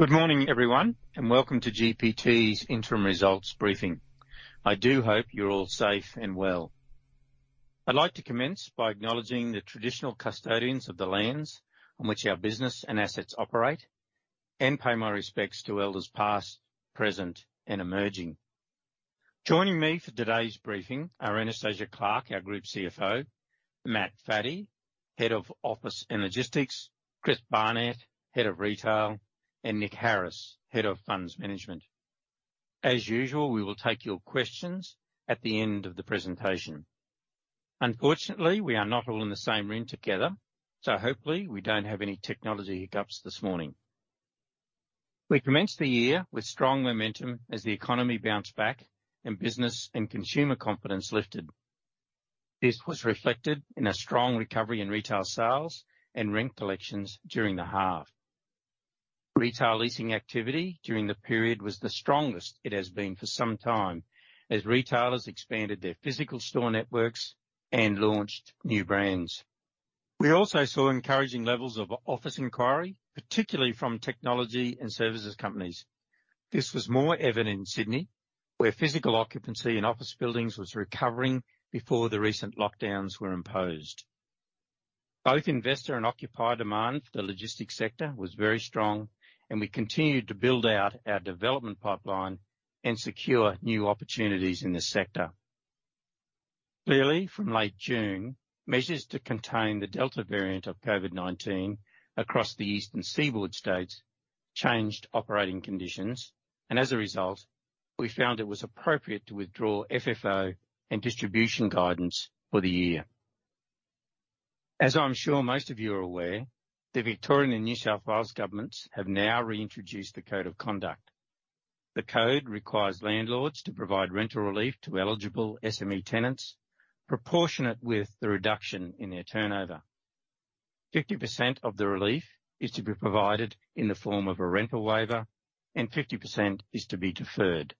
Good morning, everyone, and welcome to GPT's Interim Results Briefing. I do hope you're all safe and well. I'd like to commence by acknowledging the traditional custodians of the lands on which our business and assets operate, and pay my respects to elders past, present, and emerging. Joining me for today's briefing are Anastasia Clarke, our Group CFO, Matt Faddy, Head of Office and Logistics, Chris Barnett, Head of Retail, and Nick Harris, Head of Funds Management. As usual, we will take your questions at the end of the presentation. Unfortunately, we are not all in the same room together, so hopefully we don't have any technology hiccups this morning. We commenced the year with strong momentum as the economy bounced back and business and consumer confidence lifted. This was reflected in a strong recovery in retail sales and rent collections during the half. Retail leasing activity during the period was the strongest it has been for some time, as retailers expanded their physical store networks and launched new brands. We also saw encouraging levels of office inquiry, particularly from technology and services companies. This was more evident in Sydney, where physical occupancy in office buildings was recovering before the recent lockdowns were imposed. Both investor and occupier demand for the logistics sector was very strong, and we continued to build out our development pipeline and secure new opportunities in this sector. Clearly, from late June, measures to contain the Delta variant of COVID-19 across the eastern seaboard states changed operating conditions, and as a result, we found it was appropriate to withdraw FFO and distribution guidance for the year. As I'm sure most of you are aware, the Victorian and New South Wales governments have now reintroduced the code of conduct. The code requires landlords to provide rental relief to eligible SME tenants, proportionate with the reduction in their turnover. 50% of the relief is to be provided in the form of a rental waiver and 50% is to be deferred.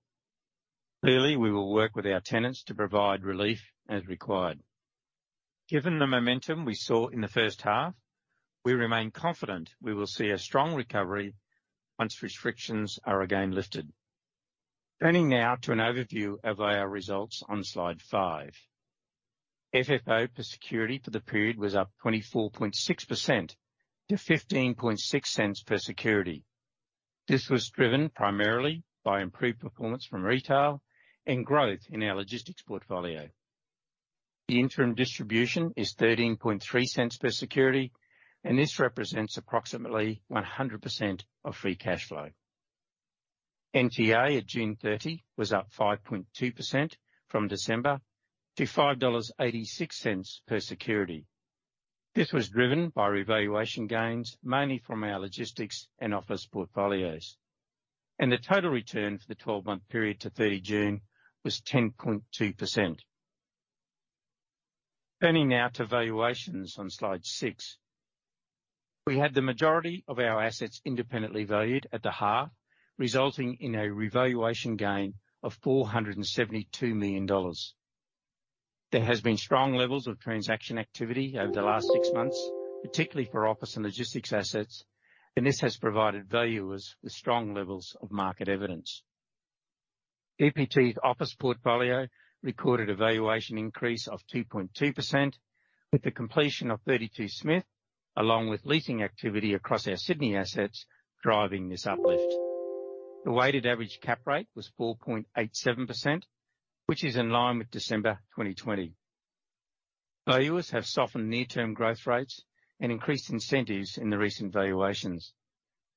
Clearly, we will work with our tenants to provide relief as required. Given the momentum we saw in the first half, we remain confident we will see a strong recovery once restrictions are again lifted. Turning now to an overview of our results on slide five. FFO per security for the period was up 24.6% to AUD 0.156 per security. The interim distribution is 0.133 per security, this represents approximately 100% of free cash flow. NTA at June 30 was up 5.2% from December to 5.86 dollars per security. This was driven by revaluation gains, mainly from our logistics and office portfolios. The total return for the 12-month period to 30 June was 10.2%. Turning now to valuations on slide six. We had the majority of our assets independently valued at the half, resulting in a revaluation gain of 472 million dollars. There has been strong levels of transaction activity over the last six months, particularly for office and logistics assets, and this has provided valuers with strong levels of market evidence. GPT's office portfolio recorded a valuation increase of 2.2%, with the completion of 32 Smith, along with leasing activity across our Sydney assets driving this uplift. The weighted average cap rate was 4.87%, which is in line with December 2020. Valuers have softened near-term growth rates and increased incentives in the recent valuations.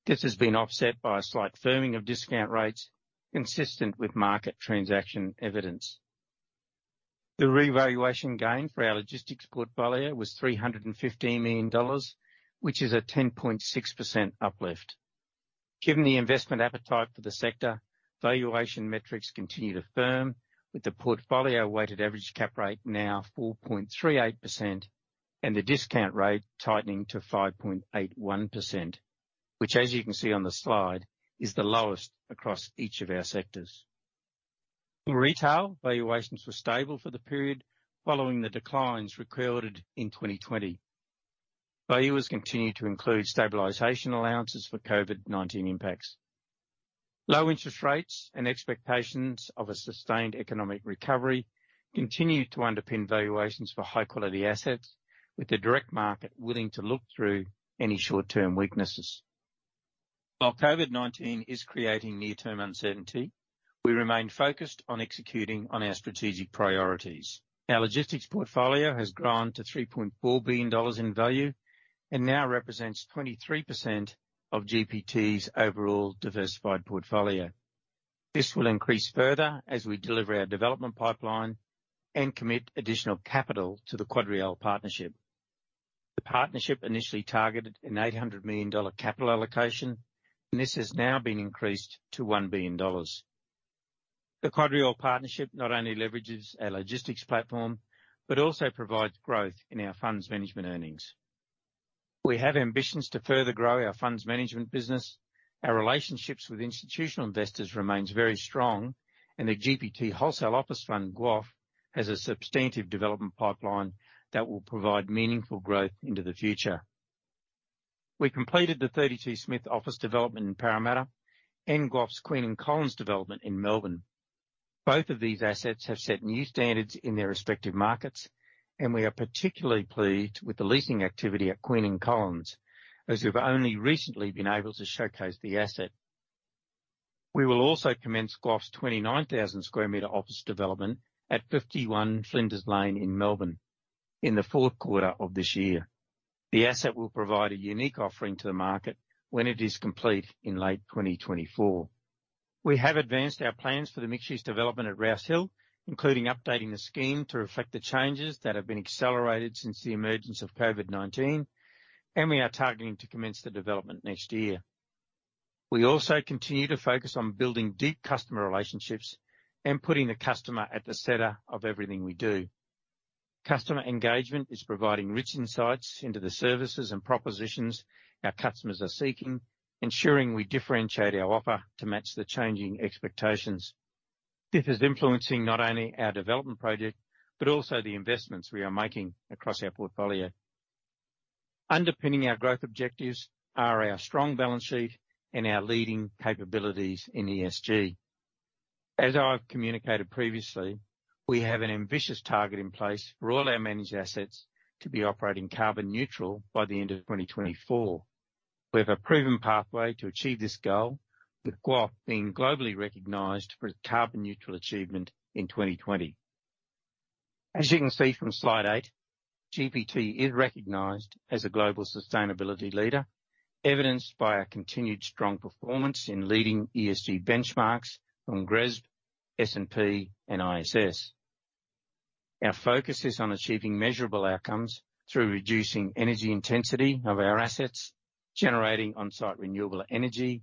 This has been offset by a slight firming of discount rates consistent with market transaction evidence. The revaluation gain for our logistics portfolio was 315 million dollars, which is a 10.6% uplift. Given the investment appetite for the sector, valuation metrics continue to firm with the portfolio weighted average cap rate now 4.38% and the discount rate tightening to 5.81%, which as you can see on the slide, is the lowest across each of our sectors. In retail, valuations were stable for the period following the declines recorded in 2020. Valuers continued to include stabilization allowances for COVID-19 impacts. Low interest rates and expectations of a sustained economic recovery continued to underpin valuations for high-quality assets, with the direct market willing to look through any short-term weaknesses. While COVID-19 is creating near-term uncertainty, we remain focused on executing on our strategic priorities. Our logistics portfolio has grown to 3.4 billion dollars in value and now represents 23% of GPT's overall diversified portfolio. This will increase further as we deliver our development pipeline and commit additional capital to the QuadReal partnership. The partnership initially targeted an 800 million dollar capital allocation. This has now been increased to 1 billion dollars. The QuadReal partnership not only leverages our logistics platform, also provides growth in our funds management earnings. We have ambitions to further grow our funds management business. Our relationships with institutional investors remains very strong. The GPT Wholesale Office Fund, GWOF, has a substantive development pipeline that will provide meaningful growth into the future. We completed the 32 Smith office development in Parramatta and GWOF's Queen and Collins development in Melbourne. Both of these assets have set new standards in their respective markets, and we are particularly pleased with the leasing activity at Queen and Collins, as we've only recently been able to showcase the asset. We will also commence GWOF's 29,000 sq m office development at 51 Flinders Lane in Melbourne in the fourth quarter of this year. The asset will provide a unique offering to the market when it is complete in late 2024. We have advanced our plans for the mixed-use development at Rouse Hill, including updating the scheme to reflect the changes that have been accelerated since the emergence of COVID-19. We are targeting to commence the development next year. We also continue to focus on building deep customer relationships and putting the customer at the center of everything we do. Customer engagement is providing rich insights into the services and propositions our customers are seeking, ensuring we differentiate our offer to match the changing expectations. This is influencing not only our development project, but also the investments we are making across our portfolio. Underpinning our growth objectives are our strong balance sheet and our leading capabilities in ESG. As I've communicated previously, we have an ambitious target in place for all our managed assets to be operating carbon neutral by the end of 2024. We have a proven pathway to achieve this goal, with GWOF being globally recognized for its carbon neutral achievement in 2020. As you can see from slide eight, GPT is recognized as a global sustainability leader, evidenced by our continued strong performance in leading ESG benchmarks from GRESB, S&P, and ISS. Our focus is on achieving measurable outcomes through reducing energy intensity of our assets, generating on-site renewable energy,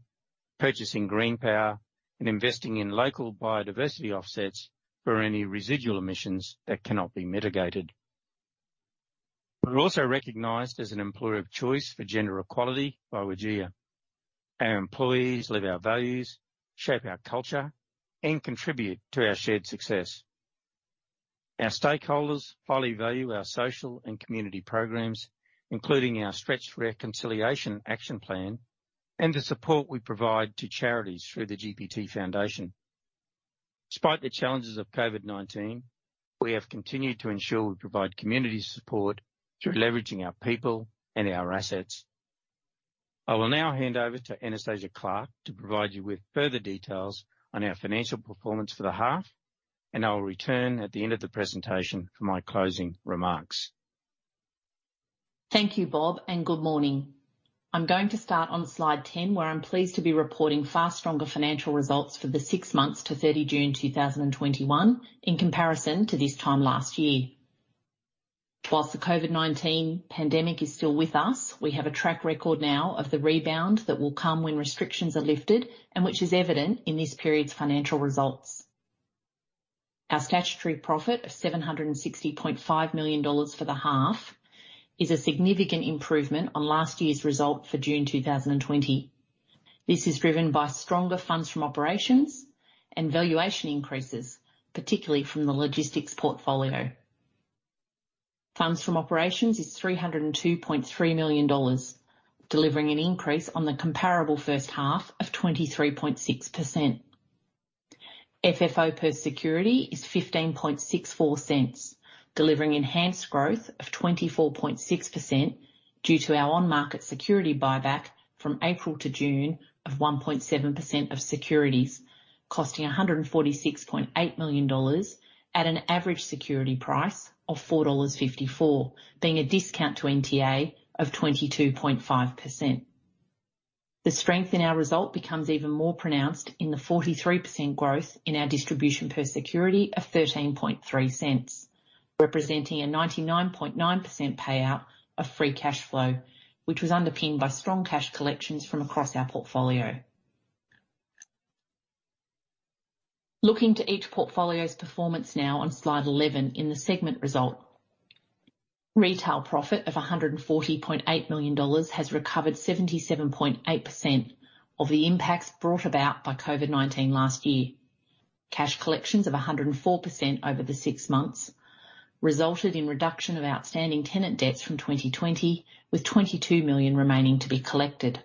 purchasing green power, and investing in local biodiversity offsets for any residual emissions that cannot be mitigated. We're also recognized as an employer of choice for gender equality by WGEA. Our employees live our values, shape our culture, and contribute to our shared success. Our stakeholders highly value our social and community programs, including our Stretch Reconciliation Action Plan and the support we provide to charities through The GPT Foundation. Despite the challenges of COVID-19, we have continued to ensure we provide community support through leveraging our people and our assets. I will now hand over to Anastasia Clarke to provide you with further details on our financial performance for the half, and I will return at the end of the presentation for my closing remarks. Thank you, Bob, and good morning. I'm going to start on slide 10, where I'm pleased to be reporting far stronger financial results for the six months to 30 June 2021 in comparison to this time last year. Whilst the COVID-19 pandemic is still with us, we have a track record now of the rebound that will come when restrictions are lifted and which is evident in this period's financial results. Our statutory profit of 760.5 million dollars for the half is a significant improvement on last year's result for June 2020. This is driven by stronger Funds From Operations and valuation increases, particularly from the logistics portfolio. Funds From Operations is 302.3 million dollars, delivering an increase on the comparable first half of 23.6%. FFO per security is 0.1564, delivering enhanced growth of 24.6% due to our on-market security buyback from April to June of 1.7% of securities, costing 146.8 million dollars at an average security price of 4.54 dollars, being a discount to NTA of 22.5%. The strength in our result becomes even more pronounced in the 43% growth in our distribution per security of 0.133, representing a 99.9% payout of free cash flow, which was underpinned by strong cash collections from across our portfolio. Looking to each portfolio's performance now on slide 11 in the segment result. Retail profit of 140.8 million dollars has recovered 77.8% of the impacts brought about by COVID-19 last year. Cash collections of 104% over the six months resulted in reduction of outstanding tenant debts from 2020, with 22 million remaining to be collected.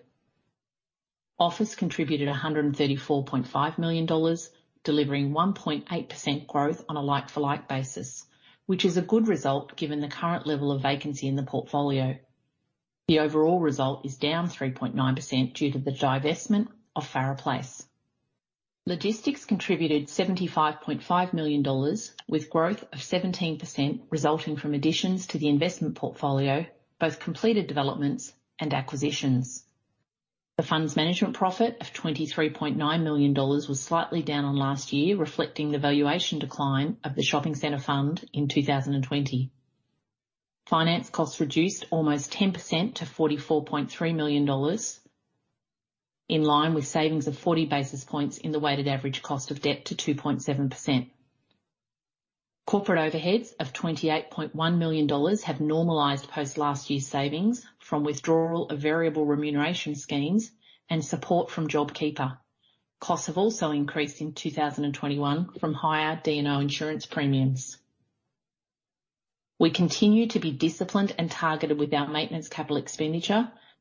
Office contributed 134.5 million dollars, delivering 1.8% growth on a like-for-like basis, which is a good result given the current level of vacancy in the portfolio. The overall result is down 3.9% due to the divestment of Farrer Place. Logistics contributed 75.5 million dollars with growth of 17% resulting from additions to the investment portfolio, both completed developments and acquisitions. The funds management profit of 23.9 million dollars was slightly down on last year, reflecting the valuation decline of the shopping center fund in 2020. Finance costs reduced almost 10% to 44.3 million dollars, in line with savings of 40 basis points in the weighted average cost of debt to 2.7%. Corporate overheads of 28.1 million dollars have normalized post last year's savings from withdrawal of variable remuneration schemes and support from JobKeeper. Costs have also increased in 2021 from higher D&O insurance premiums. We continue to be disciplined and targeted with our maintenance CapEx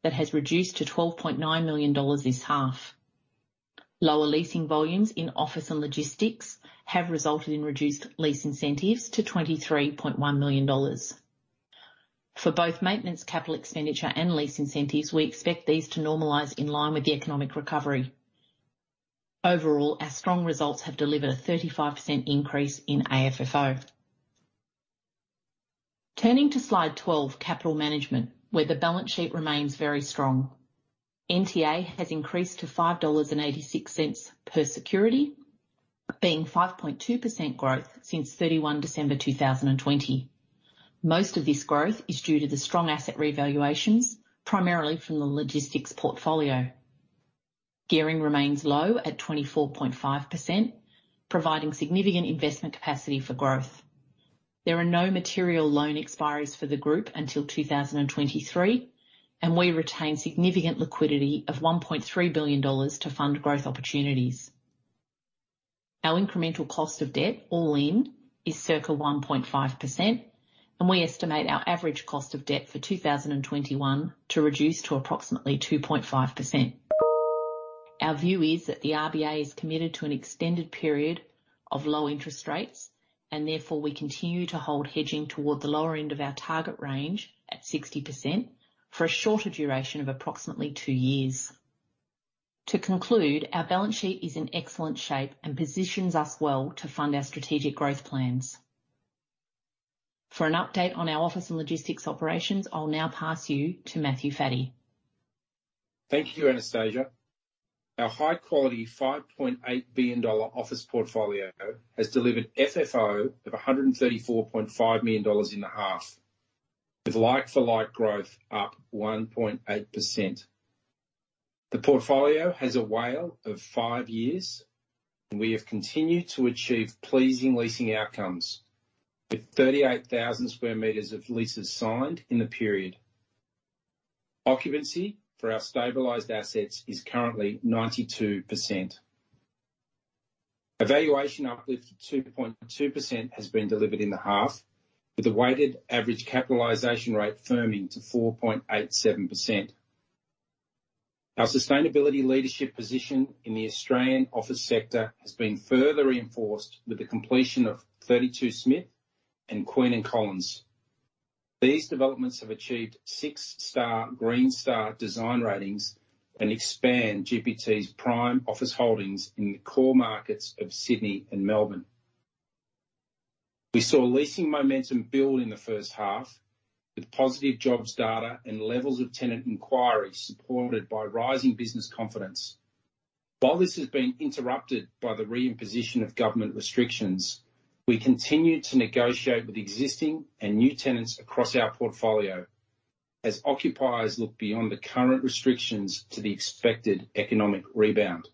that has reduced to 12.9 million dollars this half. Lower leasing volumes in Office and Logistics have resulted in reduced lease incentives to AUD 23.1 million. For both maintenance CapEx and lease incentives, we expect these to normalize in line with the economic recovery. Overall, our strong results have delivered a 35% increase in AFFO. Turning to slide 12, capital management, where the balance sheet remains very strong. NTA has increased to 5.86 dollars per security, being 5.2% growth since 31 December 2020. Most of this growth is due to the strong asset revaluations, primarily from the Logistics portfolio. Gearing remains low at 24.5%, providing significant investment capacity for growth. There are no material loan expiries for the group until 2023. We retain significant liquidity of 1.3 billion dollars to fund growth opportunities. Our incremental cost of debt, all-in, is circa 1.5%, and we estimate our average cost of debt for 2021 to reduce to approximately 2.5%. Our view is that the RBA is committed to an extended period of low interest rates, and therefore, we continue to hold hedging toward the lower end of our target range at 60%, for a shorter duration of approximately two years. To conclude, our balance sheet is in excellent shape and positions us well to fund our strategic growth plans. For an update on our office and logistics operations, I'll now pass you to Matthew Faddy. Thank you, Anastasia. Our high-quality 5.8 billion dollar office portfolio has delivered FFO of 134.5 million dollars in the half, with like-for-like growth up 1.8%. The portfolio has a WALE of five years, and we have continued to achieve pleasing leasing outcomes, with 38,000 square meters of leases signed in the period. Occupancy for our stabilized assets is currently 92%. A valuation uplift of 2.2% has been delivered in the half, with the weighted average capitalization rate firming to 4.87%. Our sustainability leadership position in the Australian office sector has been further reinforced with the completion of 32 Smith and Queen and Collins. These developments have achieved 6-star Green Star design ratings and expand GPT's prime office holdings in the core markets of Sydney and Melbourne. We saw leasing momentum build in the first half with positive jobs data and levels of tenant inquiry supported by rising business confidence. While this has been interrupted by the reimposition of government restrictions, we continue to negotiate with existing and new tenants across our portfolio as occupiers look beyond the current restrictions to the expected economic rebound.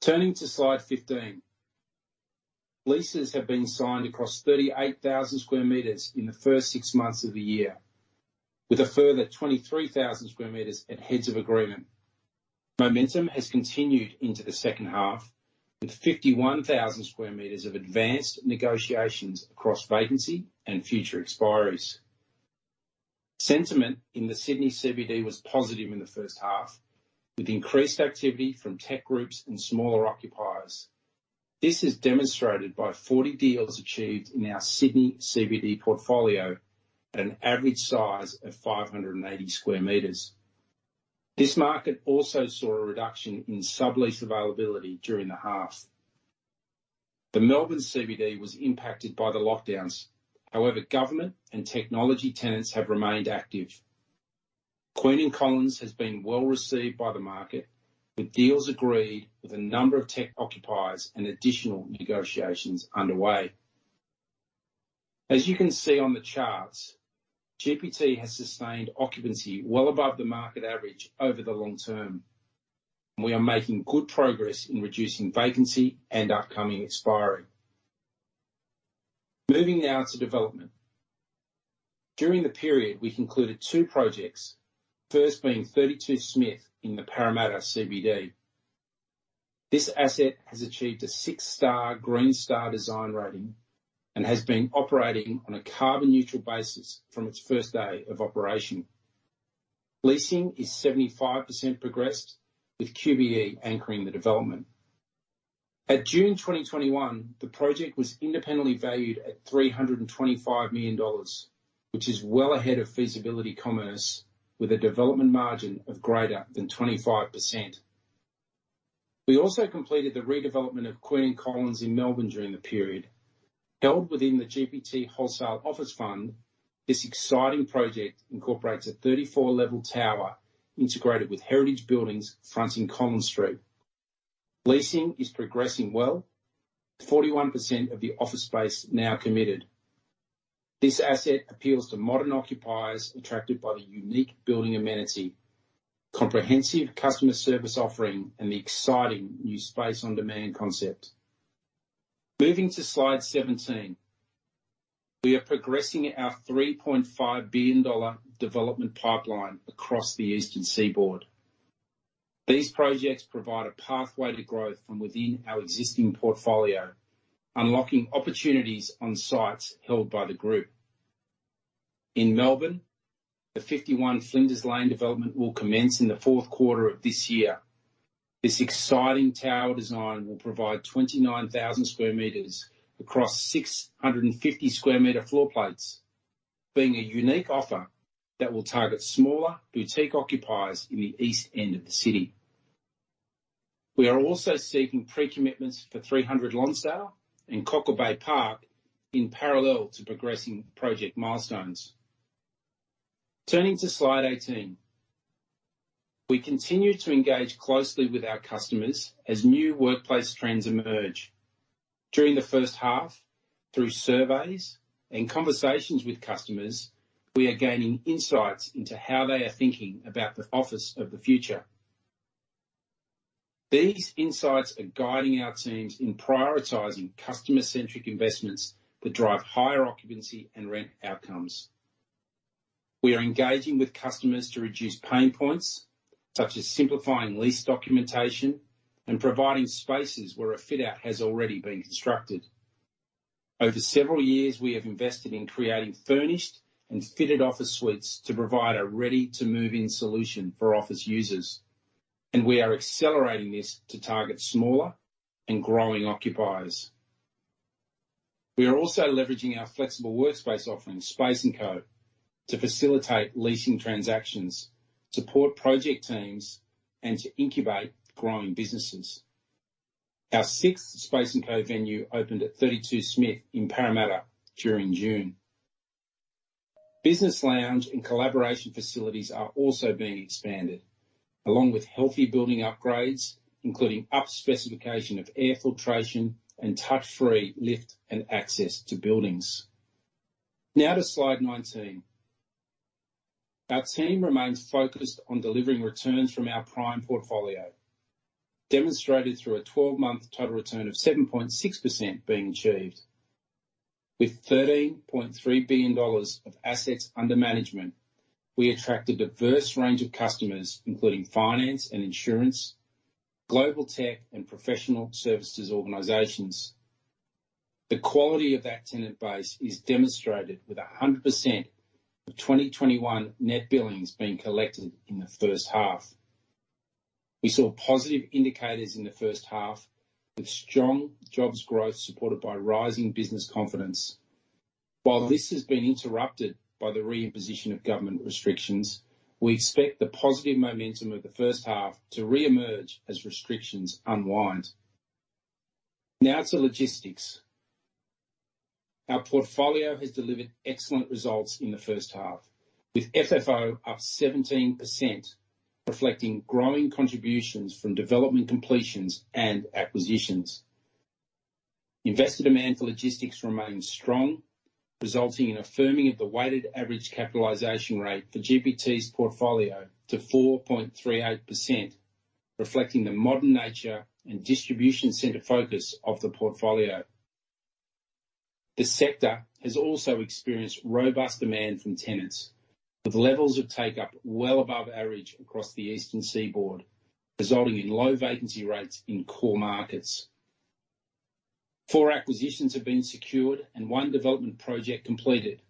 Turning to slide 15. Leases have been signed across 38,000 sq m in the first six months of the year, with a further 23,000 sq m at heads of agreement. Momentum has continued into the second half, with 51,000 sq m of advanced negotiations across vacancy and future expiries. Sentiment in the Sydney CBD was positive in the first half, with increased activity from tech groups and smaller occupiers. This is demonstrated by 40 deals achieved in our Sydney CBD portfolio at an average size of 580 sq m. This market also saw a reduction in sublease availability during the half. The Melbourne CBD was impacted by the lockdowns. However, government and technology tenants have remained active. Queen and Collins has been well received by the market, with deals agreed with a number of tech occupiers and additional negotiations underway. As you can see on the charts, GPT has sustained occupancy well above the market average over the long term. We are making good progress in reducing vacancy and upcoming expiry. Moving now to development. During the period, we concluded two projects, the first being 32 Smith in the Parramatta CBD. This asset has achieved a 6-star Green Star design rating and has been operating on a carbon neutral basis from its first day of operation. Leasing is 75% progressed, with QBE anchoring the development. At June 2021, the project was independently valued at 325 million dollars, which is well ahead of feasibility commencement, with a development margin of greater than 25%. We also completed the redevelopment of Queen and Collins in Melbourne during the period. Held within the GPT Wholesale Office Fund, this exciting project incorporates a 34-level tower integrated with heritage buildings fronting Collins Street. Leasing is progressing well, with 41% of the office space now committed. This asset appeals to modern occupiers attracted by the unique building amenity, comprehensive customer service offering, and the exciting new space on demand concept. Moving to slide 17. We are progressing our 3.5 billion dollar development pipeline across the eastern seaboard. These projects provide a pathway to growth from within our existing portfolio, unlocking opportunities on sites held by the group. In Melbourne, the 51 Flinders Lane development will commence in the fourth quarter of this year. This exciting tower design will provide 29,000 sq m across 650 sq m floor plates, being a unique offer that will target smaller boutique occupiers in the east end of the city. We are also seeking pre-commitments for 300 Lonsdale and Cockle Bay Park in parallel to progressing project milestones. Turning to slide 18. We continue to engage closely with our customers as new workplace trends emerge. During the first half, through surveys and conversations with customers, we are gaining insights into how they are thinking about the office of the future. These insights are guiding our teams in prioritizing customer-centric investments that drive higher occupancy and rent outcomes. We are engaging with customers to reduce pain points, such as simplifying lease documentation and providing spaces where a fit-out has already been constructed. Over several years, we have invested in creating furnished and fitted office suites to provide a ready-to-move-in solution for office users, and we are accelerating this to target smaller and growing occupiers. We are also leveraging our flexible workspace offering, Space&Co, to facilitate leasing transactions, support project teams, and to incubate growing businesses. Our sixth Space&Co venue opened at 32 Smith in Parramatta during June. Business lounge and collaboration facilities are also being expanded, along with healthy building upgrades, including up-specification of air filtration and touch-free lift and access to buildings. Now to slide 19. Our team remains focused on delivering returns from our prime portfolio, demonstrated through a 12-month total return of 7.6% being achieved. With 13.3 billion dollars of assets under management, we attract a diverse range of customers, including finance and insurance, global tech, and professional services organizations. The quality of that tenant base is demonstrated with 100% of 2021 net billings being collected in the first half. We saw positive indicators in the first half, with strong jobs growth supported by rising business confidence. While this has been interrupted by the reimposition of government restrictions, we expect the positive momentum of the first half to reemerge as restrictions unwind. Now to logistics. Our portfolio has delivered excellent results in the first half, with FFO up 17%, reflecting growing contributions from development completions and acquisitions. Investor demand for logistics remains strong, resulting in a firming of the weighted average capitalization rate for GPT's portfolio to 4.38%, reflecting the modern nature and distribution center focus of the portfolio. The sector has also experienced robust demand from tenants, with levels of take-up well above average across the eastern seaboard, resulting in low vacancy rates in core markets. Four acquisitions have been secured and one development project completed,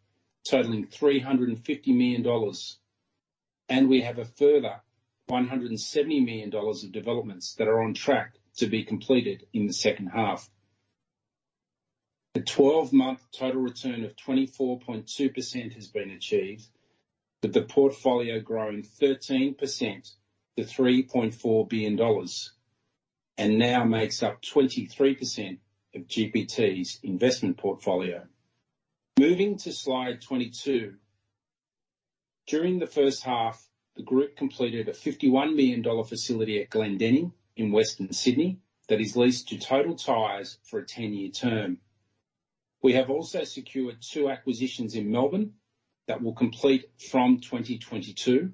totaling 350 million dollars. We have a further 170 million dollars of developments that are on track to be completed in the second half. A 12-month total return of 24.2% has been achieved, with the portfolio growing 13% to 3.4 billion dollars, and now makes up 23% of GPT's investment portfolio. Moving to slide 22. During the first half, the group completed a 51 million dollar facility at Glendenning in Western Sydney that is leased to Total Tyres for a 10-year term. We have also secured two acquisitions in Melbourne that will complete from 2022,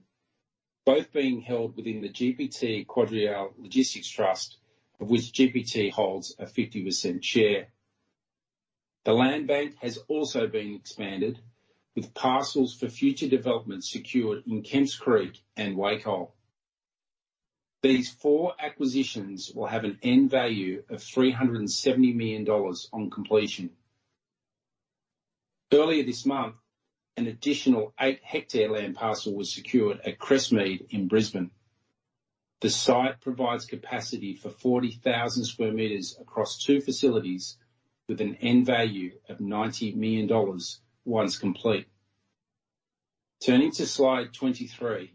both being held within the GPT QuadReal Logistics Trust, of which GPT holds a 50% share. The land bank has also been expanded with parcels for future developments secured in Kemps Creek and Wacol. These four acquisitions will have an end value of 370 million dollars on completion. Earlier this month, an additional eight-hectare land parcel was secured at Crestmead in Brisbane. The site provides capacity for 40,000 sq m across two facilities with an end value of 90 million dollars once complete. Turning to slide 23.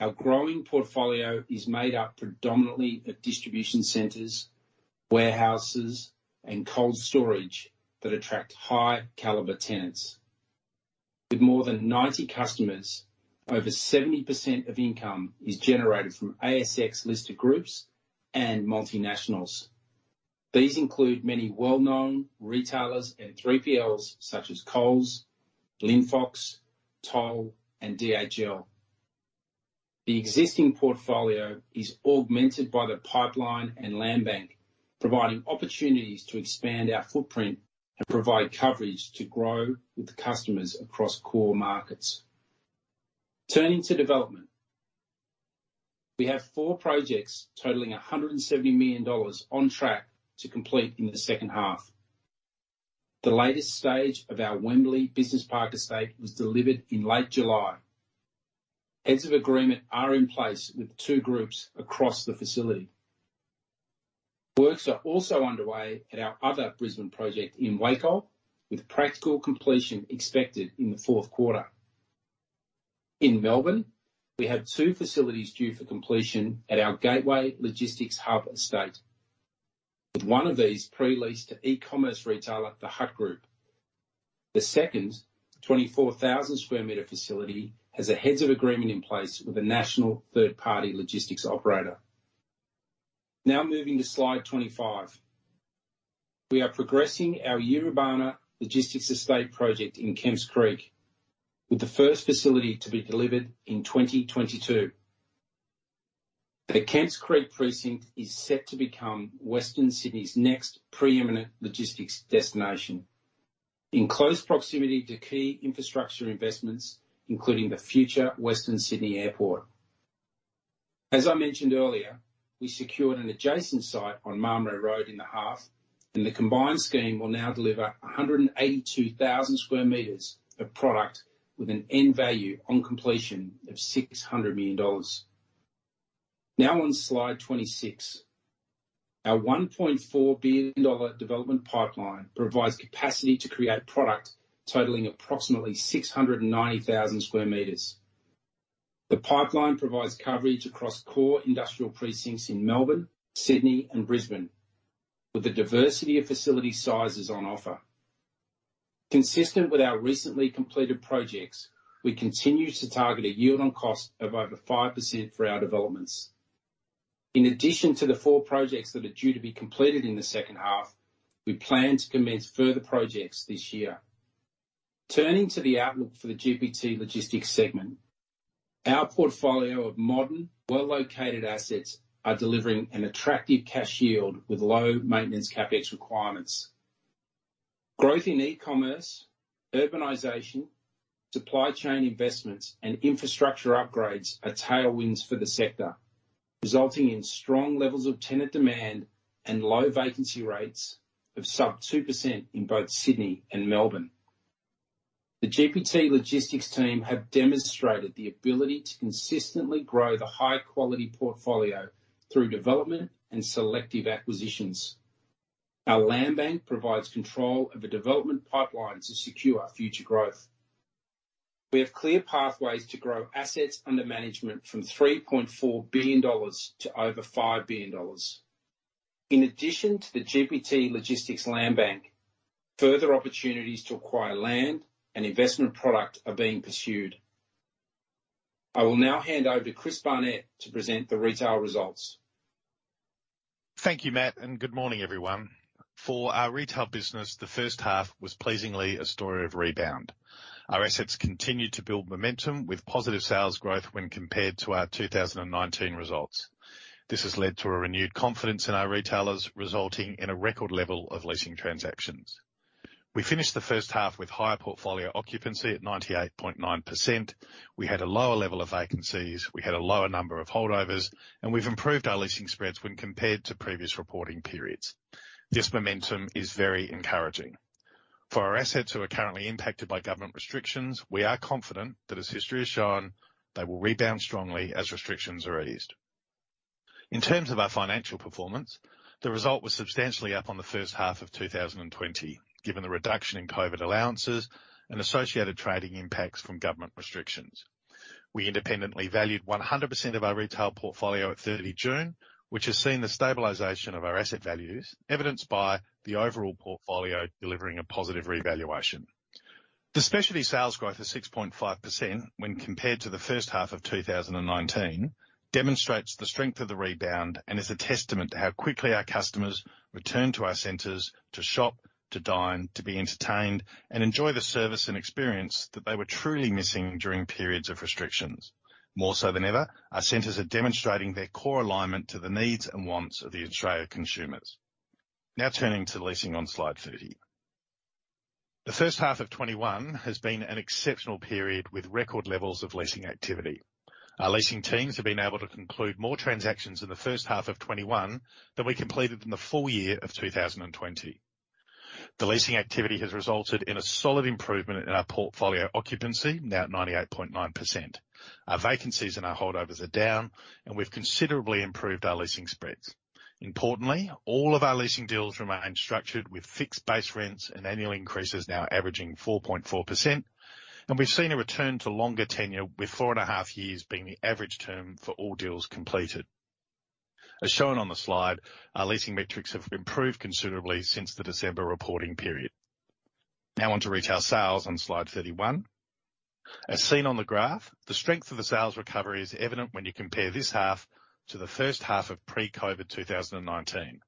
Our growing portfolio is made up predominantly of distribution centers, warehouses, and cold storage that attract high caliber tenants. With more than 90 customers, over 70% of income is generated from ASX-listed groups and multinationals. These include many well-known retailers and 3PLs such as Coles, Linfox, Toll, and DHL. The existing portfolio is augmented by the pipeline and land bank, providing opportunities to expand our footprint and provide coverage to grow with the customers across core markets. Turning to development. We have four projects totaling 170 million dollars on track to complete in the second half. The latest stage of our Wembley Business Park estate was delivered in late July. Heads of agreement are in place with two groups across the facility. Works are also underway at our other Brisbane project in Wacol, with practical completion expected in the fourth quarter. In Melbourne, we have two facilities due for completion at our Gateway Logistics Hub estate, with one of these pre-leased to e-commerce retailer, The Hut Group. The second 24,000 sq m facility has a heads of agreement in place with a national third-party logistics operator. Moving to slide 25. We are progressing our Yiribana Logistics Estate project in Kemps Creek, with the first facility to be delivered in 2022. The Kemps Creek precinct is set to become Western Sydney's next preeminent logistics destination, in close proximity to key infrastructure investments, including the future Western Sydney Airport. As I mentioned earlier, we secured an adjacent site on Mamre Road in the half. The combined scheme will now deliver 182,000 sq m of product with an end value on completion of 600 million dollars. Now on slide 26. Our 1.4 billion dollar development pipeline provides capacity to create product totaling approximately 690,000 sq m. The pipeline provides coverage across core industrial precincts in Melbourne, Sydney and Brisbane, with a diversity of facility sizes on offer. Consistent with our recently completed projects, we continue to target a yield on cost of over 5% for our developments. In addition to the four projects that are due to be completed in the second half, we plan to commence further projects this year. Turning to the outlook for the GPT Logistics Segment. Our portfolio of modern, well-located assets are delivering an attractive cash yield with low maintenance CapEx requirements. Growth in e-commerce, urbanization, supply chain investments, and infrastructure upgrades are tailwinds for the sector, resulting in strong levels of tenant demand and low vacancy rates of sub 2% in both Sydney and Melbourne. The GPT Logistics team have demonstrated the ability to consistently grow the high-quality portfolio through development and selective acquisitions. Our land bank provides control of the development pipeline to secure future growth. We have clear pathways to grow assets under management from 3.4 billion dollars to over 5 billion dollars. In addition to the GPT Logistics land bank, further opportunities to acquire land and investment product are being pursued. I will now hand over to Chris Barnett to present the retail results. Thank you, Matt, and good morning, everyone. For our retail business, the first half was pleasingly a story of rebound. Our assets continued to build momentum with positive sales growth when compared to our 2019 results. This has led to a renewed confidence in our retailers, resulting in a record level of leasing transactions. We finished the first half with higher portfolio occupancy at 98.9%. We had a lower level of vacancies, we had a lower number of holdovers, and we've improved our leasing spreads when compared to previous reporting periods. This momentum is very encouraging. For our assets who are currently impacted by government restrictions, we are confident that as history has shown, they will rebound strongly as restrictions are eased. In terms of our financial performance, the result was substantially up on the first half of 2020, given the reduction in COVID allowances and associated trading impacts from government restrictions. We independently valued 100% of our retail portfolio at 30 June, which has seen the stabilization of our asset values, evidenced by the overall portfolio delivering a positive revaluation. The specialty sales growth of 6.5% when compared to the first half of 2019, demonstrates the strength of the rebound and is a testament to how quickly our customers returned to our centers to shop, to dine, to be entertained, and enjoy the service and experience that they were truly missing during periods of restrictions. More so than ever, our centers are demonstrating their core alignment to the needs and wants of the Australian consumers. Turning to leasing on slide 30. The first half of 2021 has been an exceptional period with record levels of leasing activity. Our leasing teams have been able to conclude more transactions in the first half of 2021 than we completed in the full year of 2020. The leasing activity has resulted in a solid improvement in our portfolio occupancy, now at 98.9%. Our vacancies and our holdovers are down, and we've considerably improved our leasing spreads. Importantly, all of our leasing deals remain structured with fixed base rents and annual increases now averaging 4.4%, and we've seen a return to longer tenure, with four and a half years being the average term for all deals completed. As shown on the slide, our leasing metrics have improved considerably since the December reporting period. Now on to retail sales on slide 31. As seen on the graph, the strength of the sales recovery is evident when you compare this half to the first half of pre-COVID 2019.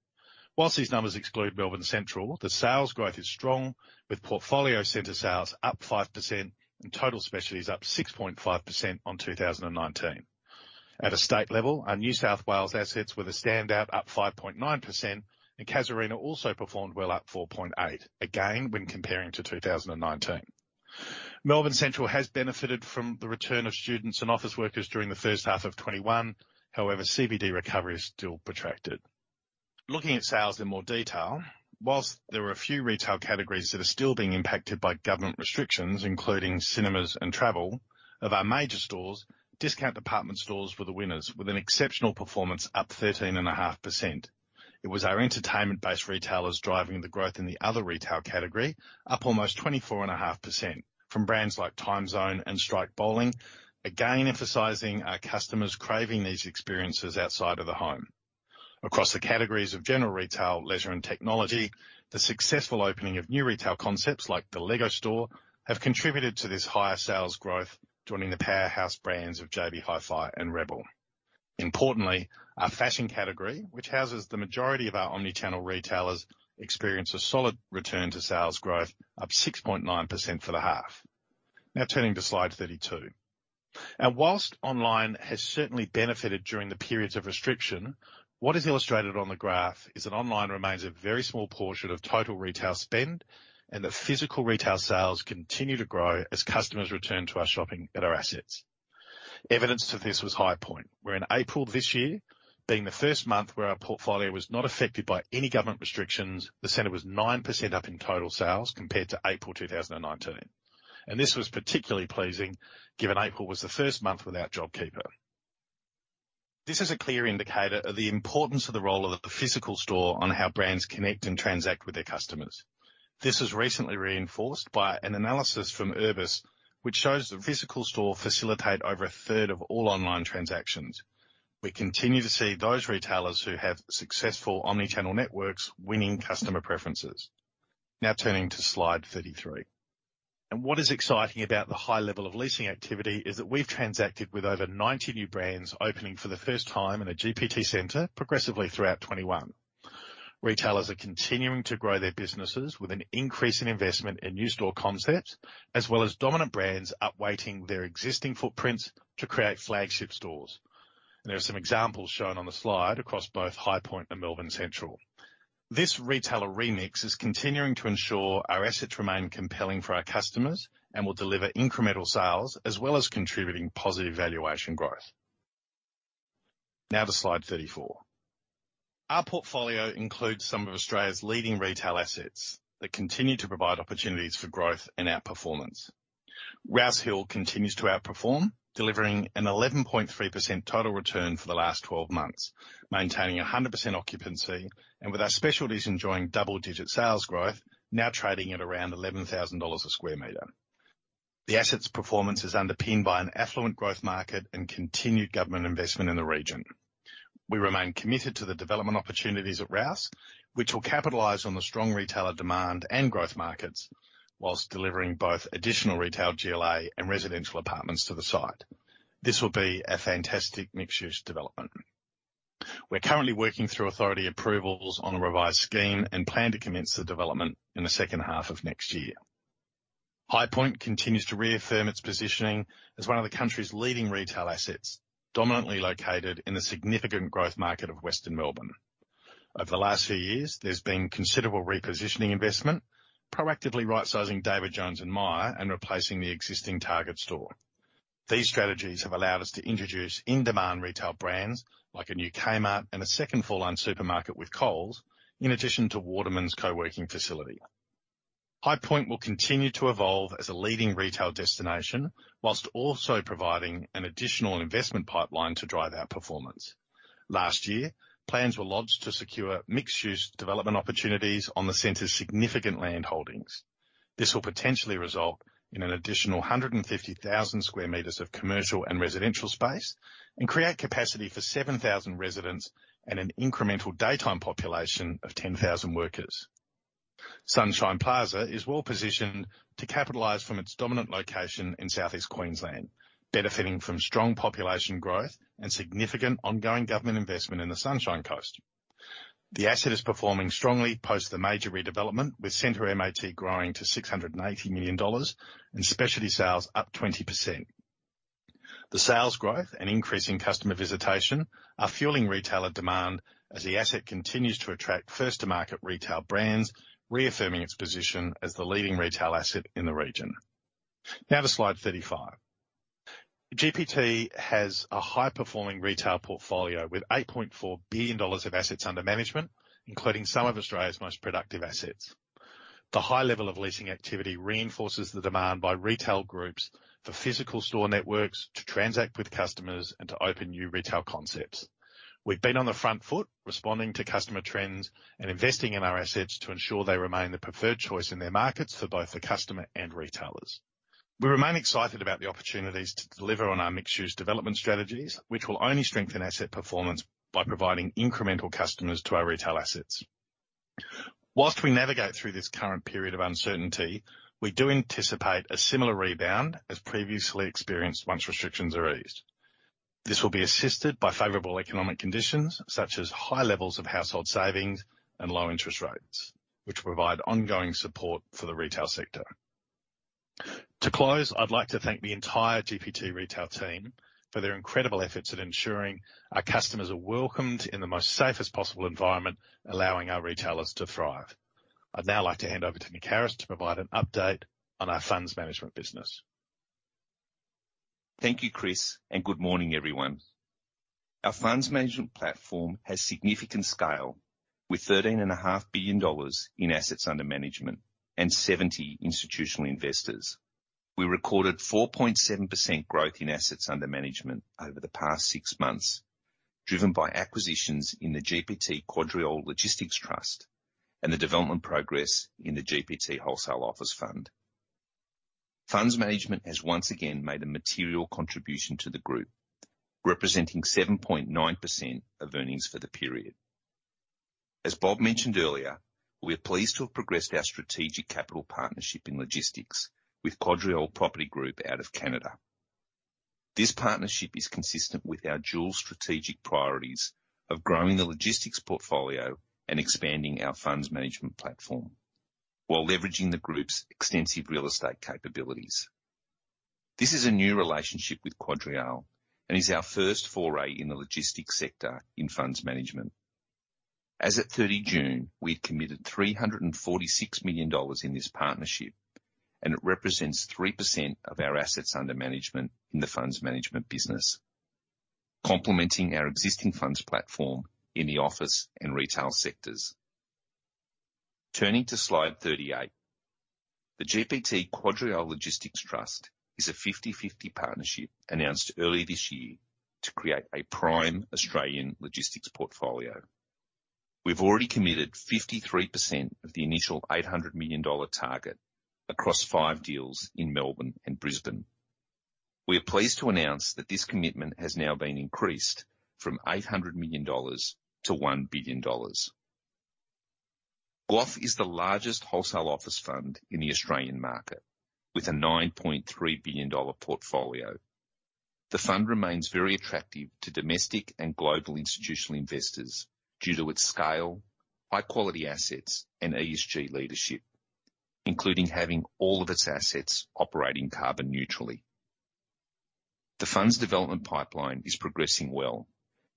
While these numbers exclude Melbourne Central, the sales growth is strong, with portfolio center sales up 5% and total specialties up 6.5% on 2019. At a state level, our New South Wales assets were the standout, up 5.9%, and Casuarina also performed well, up 4.8%, again, when comparing to 2019. Melbourne Central has benefited from the return of students and office workers during the first half of 2021. However, CBD recovery is still protracted. Looking at sales in more detail, while there are a few retail categories that are still being impacted by government restrictions, including cinemas and travel, of our major stores, discount department stores were the winners, with an exceptional performance up 13.5%. It was our entertainment-based retailers driving the growth in the other retail category, up almost 24.5%, from brands like Timezone and Strike Bowling, again, emphasizing our customers craving these experiences outside of the home. Across the categories of general retail, leisure, and technology, the successful opening of new retail concepts like the LEGO Store have contributed to this higher sales growth, joining the powerhouse brands of JB Hi-Fi and Rebel. Importantly, our fashion category, which houses the majority of our omni-channel retailers, experienced a solid return to sales growth, up 6.9% for the half. Turning to slide 32. Whilst online has certainly benefited during the periods of restriction, what is illustrated on the graph is that online remains a very small portion of total retail spend, and that physical retail sales continue to grow as customers return to our shopping at our assets. Evidence to this was Highpoint, where in April this year, being the first month where our portfolio was not affected by any government restrictions, the center was 9% up in total sales compared to April 2019. This was particularly pleasing given April was the first month without JobKeeper. This is a clear indicator of the importance of the role of the physical store on how brands connect and transact with their customers. This was recently reinforced by an analysis from Urbis, which shows that physical stores facilitate over a third of all online transactions. We continue to see those retailers who have successful omni-channel networks winning customer preferences. Now turning to slide 33. What is exciting about the high level of leasing activity is that we've transacted with over 90 new brands opening for the first time in a GPT center progressively throughout 2021. Retailers are continuing to grow their businesses with an increase in investment in new store concepts, as well as dominant brands up-weighting their existing footprints to create flagship stores. There are some examples shown on the slide across both Highpoint and Melbourne Central. This retailer remix is continuing to ensure our assets remain compelling for our customers and will deliver incremental sales, as well as contributing positive valuation growth. Now to slide 34. Our portfolio includes some of Australia's leading retail assets that continue to provide opportunities for growth and outperformance. Rouse Hill continues to outperform, delivering an 11.3% total return for the last 12 months, maintaining 100% occupancy, and with our specialties enjoying double-digit sales growth, now trading at around 11,000 dollars a sq m. The asset's performance is underpinned by an affluent growth market and continued government investment in the region. We remain committed to the development opportunities at Rouse, which will capitalize on the strong retailer demand and growth markets whilst delivering both additional retail GLA and residential apartments to the site. This will be a fantastic mixed-use development. We're currently working through authority approvals on a revised scheme and plan to commence the development in the second half of next year. Highpoint continues to reaffirm its positioning as one of the country's leading retail assets, dominantly located in the significant growth market of Western Melbourne. Over the last few years, there's been considerable repositioning investment, proactively rightsizing David Jones and Myer and replacing the existing Target store. These strategies have allowed us to introduce in-demand retail brands, like a new Kmart and a second full-line supermarket with Coles, in addition to Waterman co-working facility. Highpoint will continue to evolve as a leading retail destination while also providing an additional investment pipeline to drive our performance. Last year, plans were lodged to secure mixed-use development opportunities on the center's significant land holdings. This will potentially result in an additional 150,000 sq m of commercial and residential space and create capacity for 7,000 residents and an incremental daytime population of 10,000 workers. Sunshine Plaza is well-positioned to capitalize from its dominant location in Southeast Queensland, benefiting from strong population growth and significant ongoing government investment in the Sunshine Coast. The asset is performing strongly post the major redevelopment, with center MAT growing to 680 million dollars and specialty sales up 20%. The sales growth and increase in customer visitation are fueling retailer demand as the asset continues to attract first-to-market retail brands, reaffirming its position as the leading retail asset in the region. To slide 35. GPT has a high-performing retail portfolio with 8.4 billion dollars of assets under management, including some of Australia's most productive assets. The high level of leasing activity reinforces the demand by retail groups for physical store networks to transact with customers and to open new retail concepts. We've been on the front foot, responding to customer trends and investing in our assets to ensure they remain the preferred choice in their markets for both the customer and retailers. We remain excited about the opportunities to deliver on our mixed-use development strategies, which will only strengthen asset performance by providing incremental customers to our retail assets. Whilst we navigate through this current period of uncertainty, we do anticipate a similar rebound as previously experienced once restrictions are eased. This will be assisted by favorable economic conditions, such as high levels of household savings and low interest rates, which provide ongoing support for the retail sector. To close, I'd like to thank the entire GPT retail team for their incredible efforts at ensuring our customers are welcomed in the most safest possible environment, allowing our retailers to thrive. I'd now like to hand over to Nick Harris to provide an update on our funds management business. Thank you, Chris. Good morning, everyone. Our funds management platform has significant scale, with 13.5 billion dollars in assets under management and 70 institutional investors. We recorded 4.7% growth in assets under management over the past six months, driven by acquisitions in the GPT QuadReal Logistics Trust and the development progress in the GPT Wholesale Office Fund. Funds management has once again made a material contribution to the group, representing 7.9% of earnings for the period. As Bob mentioned earlier, we are pleased to have progressed our strategic capital partnership in logistics with QuadReal Property Group out of Canada. This partnership is consistent with our dual strategic priorities of growing the logistics portfolio and expanding our funds management platform while leveraging the group's extensive real estate capabilities. This is a new relationship with QuadReal and is our first foray in the logistics sector in funds management. As at 30 June, we had committed 346 million dollars in this partnership, and it represents 3% of our assets under management in the funds management business, complementing our existing funds platform in the office and retail sectors. Turning to Slide 38. The GPT QuadReal Logistics Trust is a 50/50 partnership announced early this year to create a prime Australian logistics portfolio. We've already committed 53% of the initial 800 million dollar target across five deals in Melbourne and Brisbane. We are pleased to announce that this commitment has now been increased from 800 million dollars to 1 billion dollars. GWOF is the largest wholesale office fund in the Australian market, with a 9.3 billion dollar portfolio. The fund remains very attractive to domestic and global institutional investors due to its scale, high-quality assets, and ESG leadership, including having all of its assets operating carbon neutrally. The fund's development pipeline is progressing well,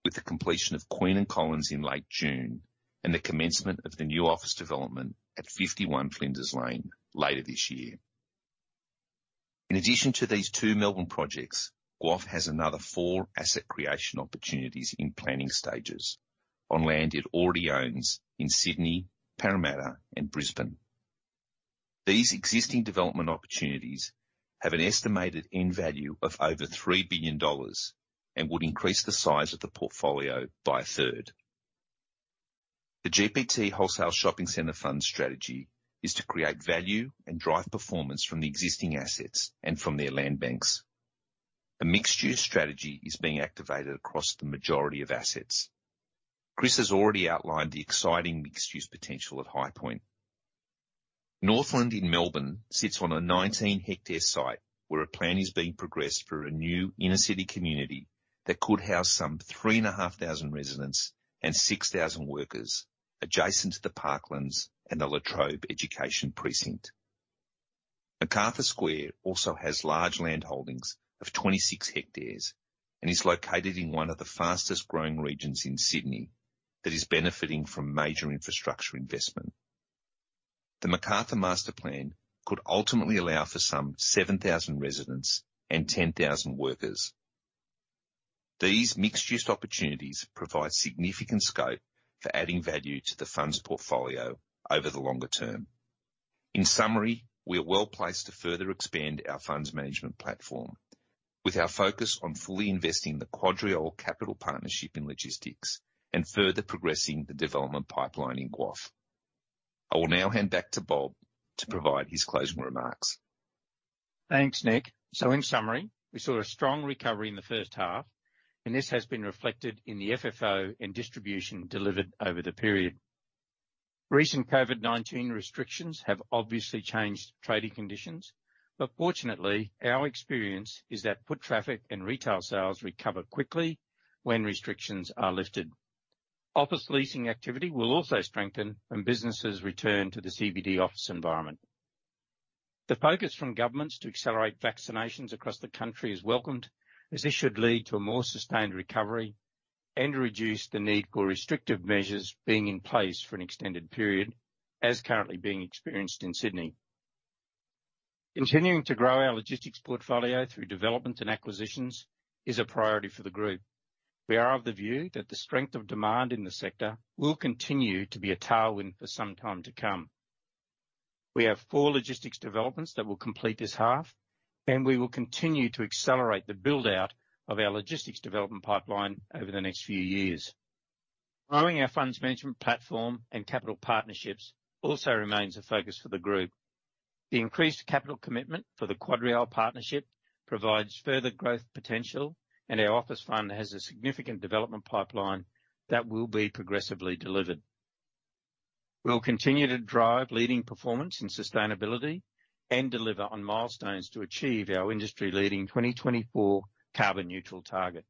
with the completion of Queen and Collins in late June and the commencement of the new office development at 51 Flinders Lane later this year. In addition to these two Melbourne projects, GWOF has another four asset creation opportunities in planning stages on land it already owns in Sydney, Parramatta, and Brisbane. These existing development opportunities have an estimated end value of over 3 billion dollars and would increase the size of the portfolio by a third. The GPT Wholesale Shopping Centre Fund strategy is to create value and drive performance from the existing assets and from their land banks. A mixed-use strategy is being activated across the majority of assets. Chris has already outlined the exciting mixed-use potential at Highpoint. Northland in Melbourne sits on a 19-hectare site where a plan is being progressed for a new inner-city community that could house some 3,500 residents and 6,000 workers adjacent to the Parklands and the La Trobe Education Precinct. Macarthur Square also has large land holdings of 26 hectares and is located in one of the fastest-growing regions in Sydney that is benefiting from major infrastructure investment. The Macarthur Master Plan could ultimately allow for some 7,000 residents and 10,000 workers. These mixed-use opportunities provide significant scope for adding value to the fund's portfolio over the longer term. In summary, we are well-placed to further expand our funds management platform with our focus on fully investing the QuadReal capital partnership in logistics and further progressing the development pipeline in GWOF. I will now hand back to Bob to provide his closing remarks. Thanks, Nick. In summary, we saw a strong recovery in the first half, and this has been reflected in the FFO and distribution delivered over the period. Recent COVID-19 restrictions have obviously changed trading conditions, fortunately, our experience is that foot traffic and retail sales recover quickly when restrictions are lifted. Office leasing activity will also strengthen when businesses return to the CBD office environment. The focus from governments to accelerate vaccinations across the country is welcomed, as this should lead to a more sustained recovery and reduce the need for restrictive measures being in place for an extended period, as currently being experienced in Sydney. Continuing to grow our logistics portfolio through development and acquisitions is a priority for the group. We are of the view that the strength of demand in the sector will continue to be a tailwind for some time to come. We have four logistics developments that will complete this half, and we will continue to accelerate the build-out of our logistics development pipeline over the next few years. Growing our funds management platform and capital partnerships also remains a focus for the group. The increased capital commitment for the QuadReal partnership provides further growth potential, and our office fund has a significant development pipeline that will be progressively delivered. We'll continue to drive leading performance in sustainability and deliver on milestones to achieve our industry leading 2024 carbon neutral target.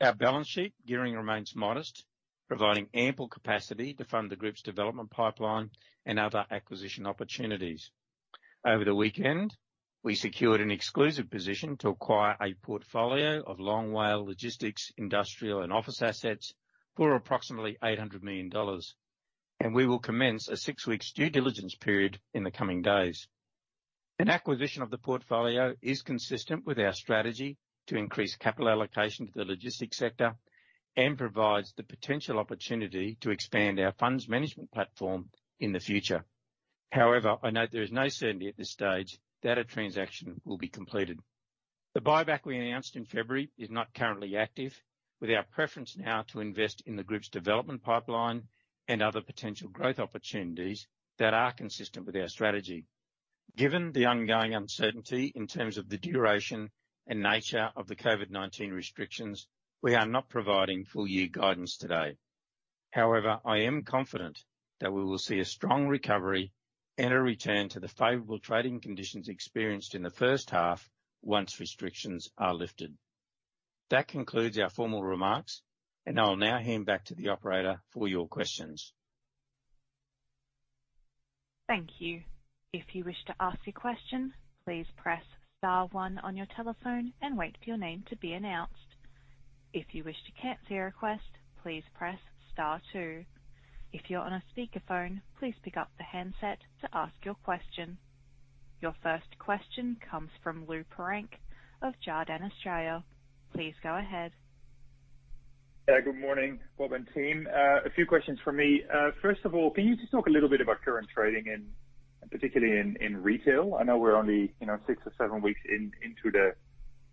Our balance sheet gearing remains modest, providing ample capacity to fund the group's development pipeline and other acquisition opportunities. Over the weekend, we secured an exclusive position to acquire a portfolio of long WALE logistics, industrial, and office assets for approximately 800 million dollars. We will commence a six-weeks due diligence period in the coming days. An acquisition of the portfolio is consistent with our strategy to increase capital allocation to the logistics sector and provides the potential opportunity to expand our funds management platform in the future. I note there is no certainty at this stage that a transaction will be completed. The buyback we announced in February is not currently active, with our preference now to invest in the group's development pipeline and other potential growth opportunities that are consistent with our strategy. Given the ongoing uncertainty in terms of the duration and nature of the COVID-19 restrictions, we are not providing full year guidance today. I am confident that we will see a strong recovery and a return to the favorable trading conditions experienced in the first half once restrictions are lifted. That concludes our formal remarks. I'll now hand back to the operator for your questions. Thank you. Your first question comes from Lou Pirenc of Jarden Australia. Please go ahead. Yeah, good morning, Bob and team. A few questions from me. First of all, can you just talk a little bit about current trading, particularly in retail? I know we're only six or seven weeks into the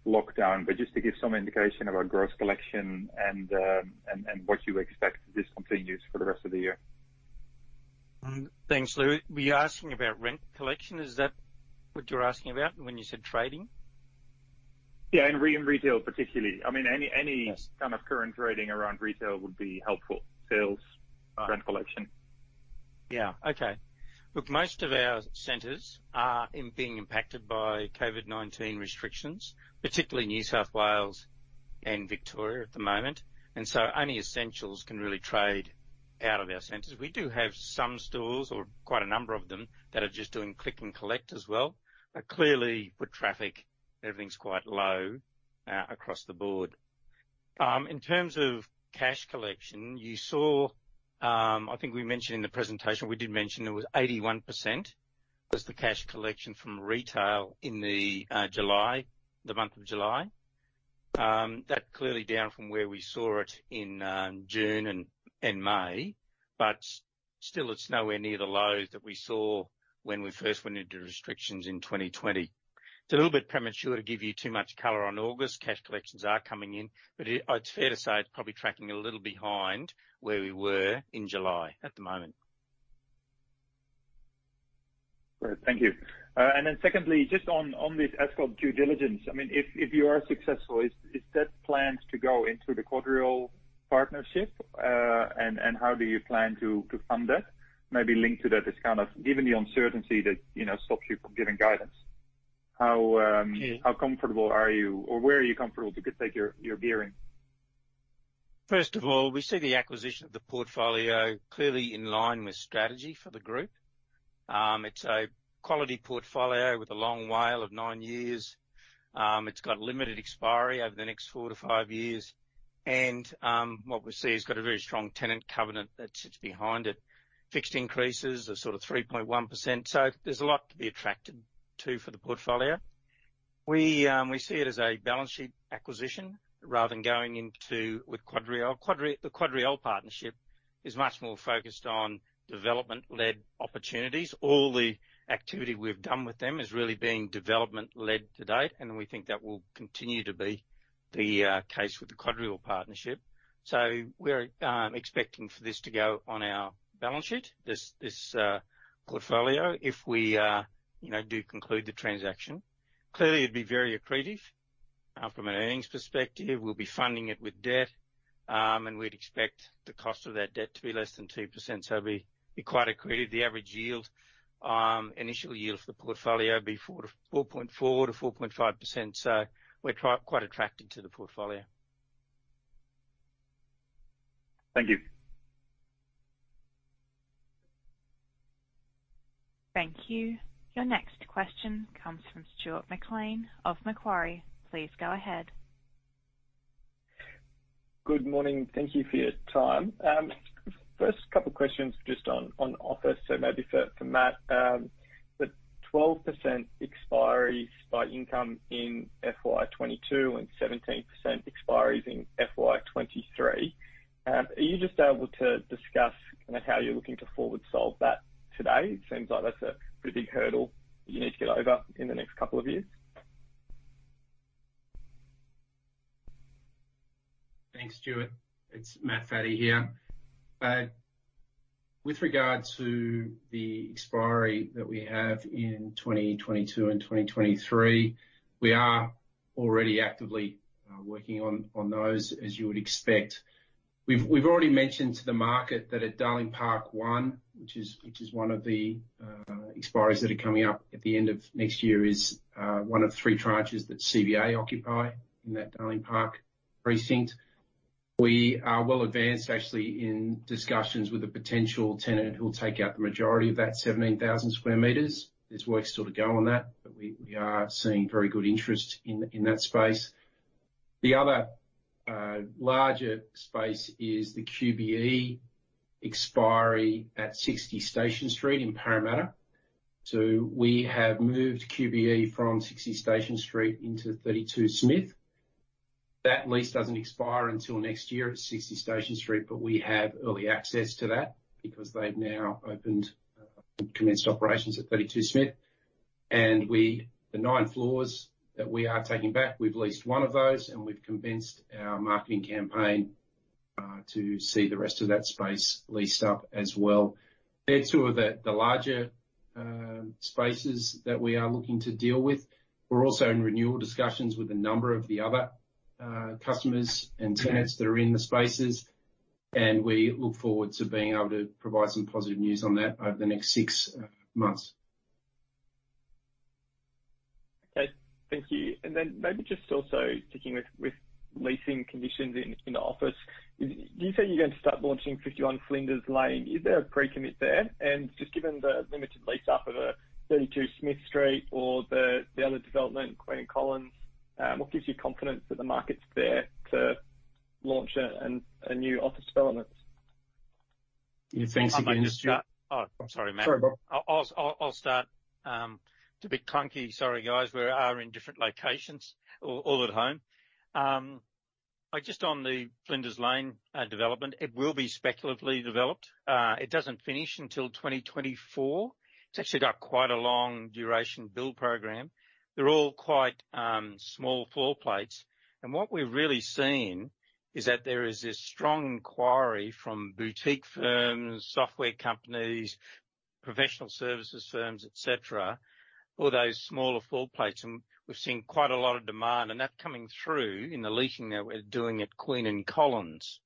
lockdown, but just to give some indication about gross collection and what you expect this continues for the rest of the year. Thanks, Lou. Were you asking about rent collection? Is that what you're asking about when you said trading? Yeah, in retail particularly. Any kind of current trading around retail would be helpful. Sales, rent collection. Yeah. Okay. Look, most of our centers are being impacted by COVID-19 restrictions, particularly New South Wales and Victoria at the moment. Only essentials can really trade out of our centers. We do have some stores, or quite a number of them, that are just doing click and collect as well. Clearly foot traffic, everything's quite low across the board. In terms of cash collection, you saw, I think we mentioned in the presentation, we did mention it was 81% was the cash collection from retail in the month of July. That clearly down from where we saw it in June and May, still it's nowhere near the lows that we saw when we first went into restrictions in 2020. It's a little bit premature to give you too much color on August. Cash collections are coming in, but it's fair to say it's probably tracking a little behind where we were in July at the moment. Great. Thank you. Secondly, just on this Ascot Capital due diligence, if you are successful, is that planned to go into the QuadReal partnership? How do you plan to fund that? Maybe linked to that is kind of, given the uncertainty that stops you from giving guidance, how comfortable are you or where are you comfortable to take your gearing? First of all, we see the acquisition of the portfolio clearly in line with strategy for the group. It's a quality portfolio with a long WALE of nine years. It's got limited expiry over the next four to five years. What we see, it's got a very strong tenant covenant that sits behind it. Fixed increases are sort of 3.1%. There's a lot to be attracted to for the portfolio. We see it as a balance sheet acquisition rather than going into with QuadReal. The QuadReal partnership is much more focused on development-led opportunities. All the activity we've done with them has really been development-led to date, and we think that will continue to be the case with the QuadReal partnership. We're expecting for this to go on our balance sheet, this portfolio, if we do conclude the transaction. Clearly, it'd be very accretive from an earnings perspective. We'll be funding it with debt. We'd expect the cost of that debt to be less than 2%. It'd be quite accretive. The average yield, initial yield for the portfolio would be 4.4%-4.5%. We're quite attracted to the portfolio. Thank you. Thank you. Your next question comes from Stuart McLean of Macquarie. Please go ahead. Good morning. Thank you for your time. First couple of questions just on offer, so maybe for Matt. The 12% expiries by income in FY 2022 and 17% expiries in FY 2023, are you just able to discuss how you're looking to forward solve that today? It seems like that's a pretty big hurdle you need to get over in the next couple of years. Thanks, Stuart. It's Matt Faddy here. With regard to the expiry that we have in 2022 and 2023, we are already actively working on those, as you would expect. We've already mentioned to the market that at Darling Park One, which is one of the expiries that are coming up at the end of next year, is one of three tranches that CBA occupy in that Darling Park precinct. We are well advanced, actually, in discussions with a potential tenant who will take out the majority of that 17,000 sq m. There's work still to go on that, we are seeing very good interest in that space. The other larger space is the QBE expiry at 60 Station Street in Parramatta. We have moved QBE from 60 Station Street into 32 Smith. That lease doesn't expire until next year at 60 Station Street, but we have early access to that because they've now commenced operations at 32 Smith. The nine floors that we are taking back, we've leased one of those, and we've commenced our marketing campaign to see the rest of that space leased up as well. They're two of the larger spaces that we are looking to deal with. We're also in renewal discussions with a number of the other customers and tenants that are in the spaces, and we look forward to being able to provide some positive news on that over the next six months. Okay. Thank you. Then maybe just also sticking with leasing conditions in the office. You said you're going to start launching 51 Flinders Lane. Is there a pre-commit there? Just given the limited lease up of 32 Smith Street or the other development, Queen and Collins, what gives you confidence that the market's there to launch a new office development? Yeah. Thanks again, Stuart. I'll maybe just start. Oh, sorry, Matt. Sorry, Bob. I'll start. It's a bit clunky. Sorry, guys. We are in different locations, all at home. Just on the Flinders Lane development, it will be speculatively developed. It doesn't finish until 2024. It's actually got quite a long duration build program. They're all quite small floor plates. What we're really seeing is that there is this strong inquiry from boutique firms, software companies, professional services firms, et cetera, all those smaller floor plates, and we're seeing quite a lot of demand. That's coming through in the leasing that we're doing at Queen and Collins.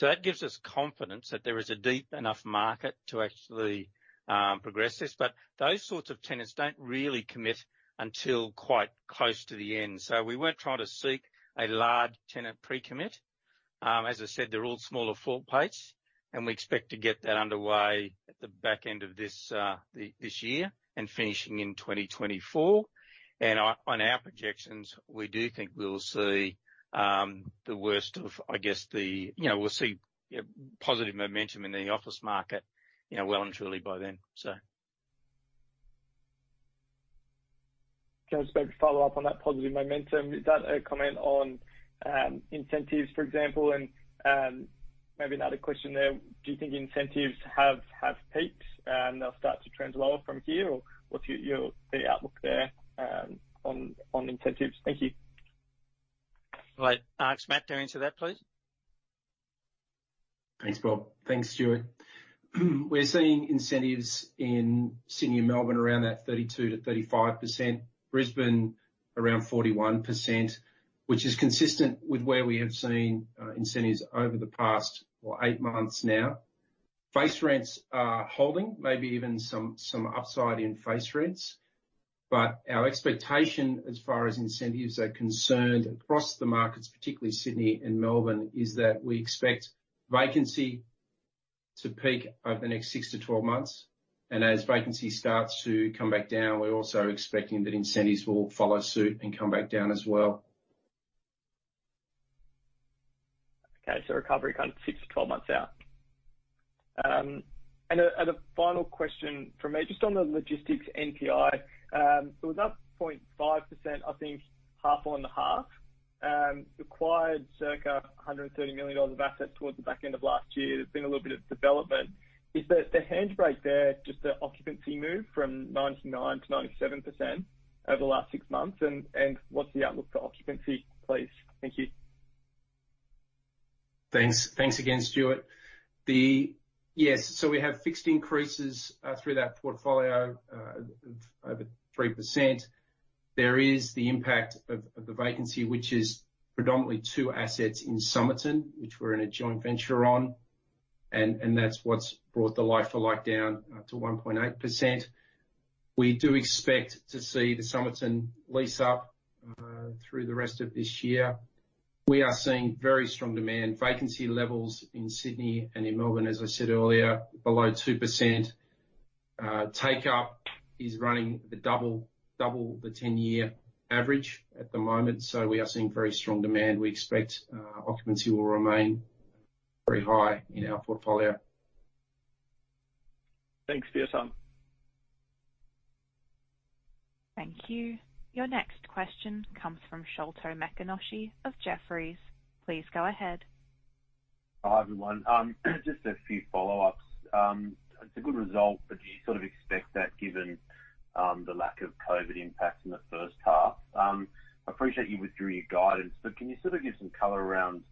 That gives us confidence that there is a deep enough market to actually progress this. Those sorts of tenants don't really commit until quite close to the end. We weren't trying to seek a large tenant pre-commit. As I said, they're all smaller floor plates, and we expect to get that underway at the back end of this year and finishing in 2024. On our projections, we do think we'll see positive momentum in the office market well and truly by then. Can I just maybe follow up on that positive momentum? Is that a comment on incentives, for example? Maybe another question there, do you think incentives have peaked and they'll start to trend lower from here? What's the outlook there on incentives? Thank you. I'll ask Matt to answer that, please. Thanks, Bob. Thanks, Stuart. We're seeing incentives in Sydney and Melbourne around that 32%-35%, Brisbane around 41%, which is consistent with where we have seen incentives over the past, well, eight months now. Face rents are holding, maybe even some upside in face rents. Our expectation as far as incentives are concerned across the markets, particularly Sydney and Melbourne, is that we expect vacancy to peak over the next six to 12 months. As vacancy starts to come back down, we're also expecting that incentives will follow suit and come back down as well. Okay, recovery six to 12 months out. A final question from me, just on the logistics NPI. It was up 0.5%, I think half on the half. Acquired circa 130 million dollars of assets towards the back end of last year. There's been a little bit of development. Is the handbrake there just the occupancy move from 99%-97% over the last six months? What's the outlook for occupancy, please? Thank you. Thanks. Thanks again, Stuart. We have fixed increases through that portfolio of over 3%. There is the impact of the vacancy, which is predominantly two assets in Somerton, which we're in a joint venture on, and that's what's brought the like-for-like down to 1.8%. We do expect to see the Somerton lease up through the rest of this year. We are seeing very strong demand. Vacancy levels in Sydney and in Melbourne, as I said earlier, below 2%. Take-up is running double the 10-year average at the moment. We are seeing very strong demand. We expect occupancy will remain very high in our portfolio. Thanks. Cheers. Thank you. Your next question comes from Sholto Maconochie of Jefferies. Please go ahead. Hi, everyone. Just a few follow-ups. It's a good result. Do you expect that given the lack of COVID impacts in the first half? I appreciate you withdrew your guidance. Can you give some color around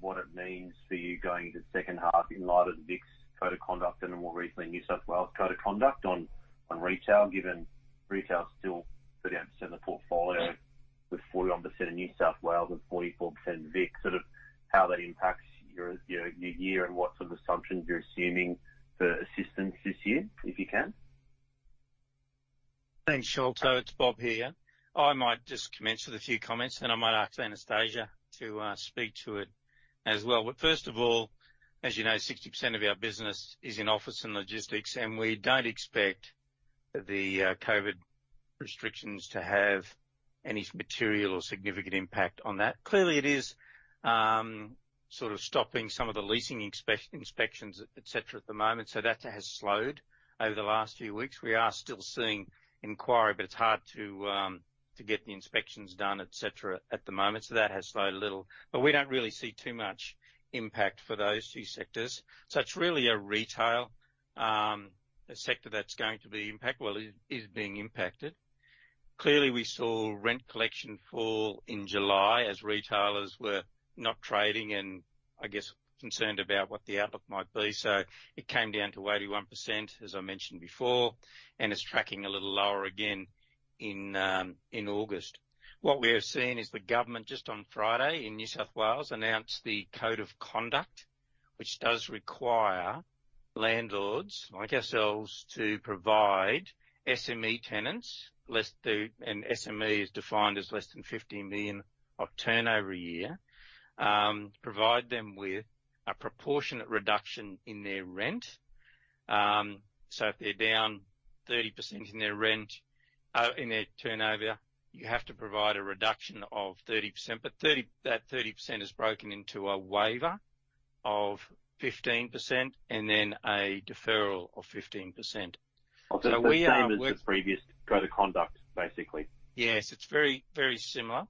what it means for you going into the second half in light of the Vic's code of conduct and more recently, New South Wales code of conduct on retail, given retail is still 30% of the portfolio with 41% in New South Wales and 44% in Vic. Sort of how that impacts your new year and what sort of assumptions you're assuming for assistance this year, if you can? Thanks, Sholto. It's Bob here. I might just commence with a few comments, then I might ask Anastasia to speak to it as well. First of all, as you know, 60% of our business is in office and logistics, and we don't expect the COVID restrictions to have any material or significant impact on that. Clearly, it is sort of stopping some of the leasing inspections, et cetera, at the moment. That has slowed over the last few weeks. We are still seeing inquiry, but it's hard to get the inspections done, et cetera, at the moment. That has slowed a little, but we don't really see too much impact for those two sectors. It's really a retail sector that's going to be impacted. Well, it is being impacted. Clearly, we saw rent collection fall in July as retailers were not trading and I guess concerned about what the outlook might be. It came down to 81%, as I mentioned before, and it's tracking a little lower again in August. What we are seeing is the government just on Friday in New South Wales announced the code of conduct, which does require landlords like ourselves to provide SME tenants, and SME is defined as less than 50 million of turnover a year, provide them with a proportionate reduction in their rent. If they're down 30% in their turnover, you have to provide a reduction of 30%. That 30% is broken into a waiver of 15% and then a deferral of 15%. We are work... Same as the previous code of conduct, basically. Yes, it's very similar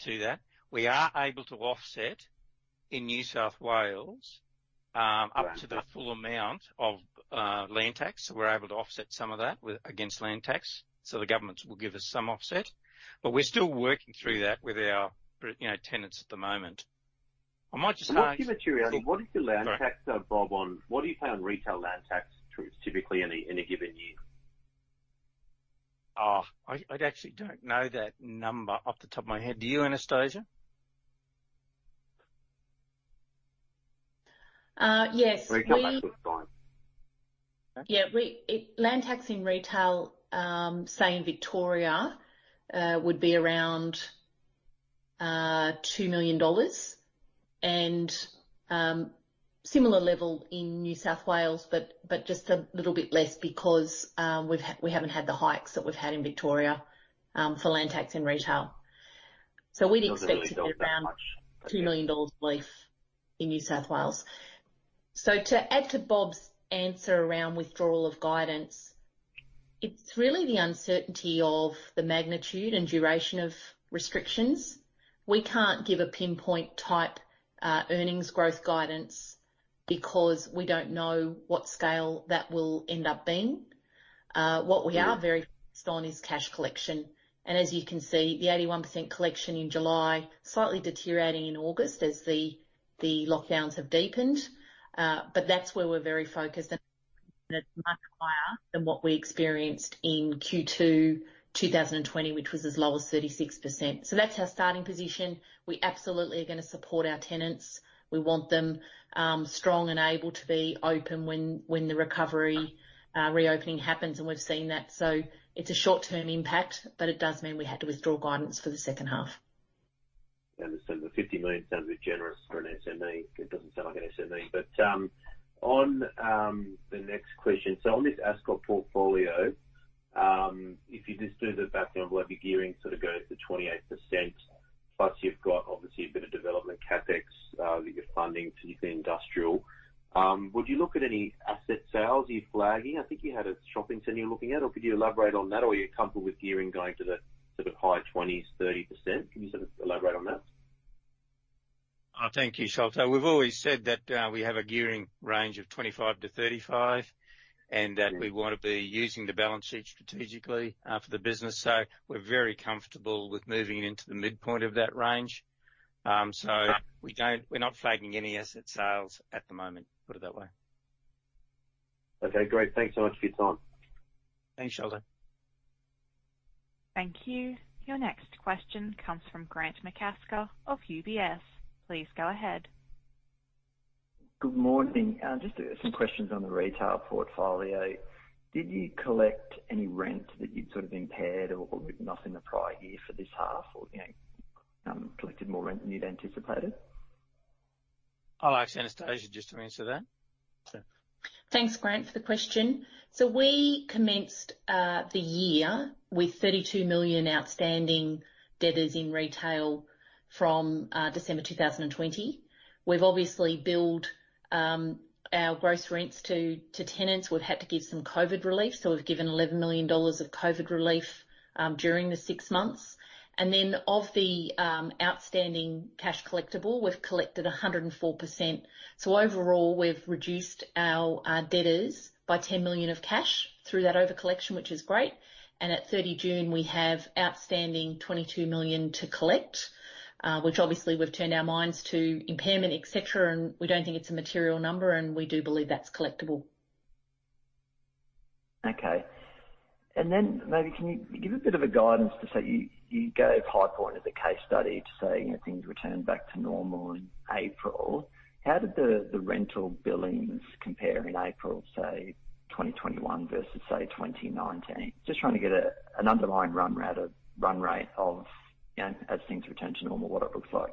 to that. We are able to offset in New South Wales up to the full amount of land tax. We're able to offset some of that against land tax. The government will give us some offset, but we're still working through that with our tenants at the moment. Can I just give it to you? What do you pay on retail land tax typically in a given year? Oh, I actually don't know that number off the top of my head. Do you, Anastasia? Yes. Retail land tax. Land tax in retail, say, in Victoria, would be around 2 million dollars and similar level in New South Wales, just a little bit less because we haven't had the hikes that we've had in Victoria for land tax in retail. We'd expect it to be around 2 million dollars plus in New South Wales. To add to Bob's answer around withdrawal of guidance, it's really the uncertainty of the magnitude and duration of restrictions. We can't give a pinpoint type earnings growth guidance because we don't know what scale that will end up being. What we are very focused on is cash collection. As you can see, the 81% collection in July, slightly deteriorating in August as the lockdowns have deepened. That's where we're very focused and much higher than what we experienced in Q2 2020, which was as low as 36%. That's our starting position. We absolutely are going to support our tenants. We want them strong and able to be open when the recovery reopening happens, and we've seen that. It's a short-term impact, but it does mean we had to withdraw guidance for the second half. Understood. The 50 million sounds a bit generous for an SME. It doesn't sound like an SME. On the next question. On this Ascot portfolio, if you just do the background, your gearing sort of goes to 28%, plus you've got obviously a bit of development CapEx that you're funding particularly industrial. Would you look at any asset sales you're flagging? I think you had a shopping center you're looking at, or could you elaborate on that? Are you comfortable with gearing going to the sort of high twenties, 30%? Can you elaborate on that? Thank you, Sholto. We've always said that we have a gearing range of 25%-35% and that we want to be using the balance sheet strategically for the business. We're very comfortable with moving into the midpoint of that range. We're not flagging any asset sales at the moment, put it that way. Okay, great. Thanks so much for your time. Thanks, Sholto. Thank you. Your next question comes from Grant McCasker of UBS. Please go ahead. Good morning. Just some questions on the retail portfolio. Did you collect any rent that you'd sort of impaired or written off in the prior year for this half or collected more rent than you'd anticipated? I'll ask Anastasia just to answer that. Thanks, Grant, for the question. We commenced the year with 32 million outstanding debtors in retail from December 2020. We've obviously billed our gross rents to tenants, we've had to give some COVID relief. We've given AUD 11 million of COVID relief during the six months. Of the outstanding cash collectible, we've collected 104%. Overall, we've reduced our debtors by 10 million of cash through that over collection, which is great. At 30 June, we have outstanding 22 million to collect, which obviously we've turned our minds to impairment, et cetera, and we don't think it's a material number, and we do believe that's collectible. Okay. Maybe can you give a bit of a guidance to say you gave Highpoint as a case study to say things returned back to normal in April. How did the rental billings compare in April, say 2021 versus say 2019? I'm just trying to get an underlying run rate of, as things return to normal, what it looks like.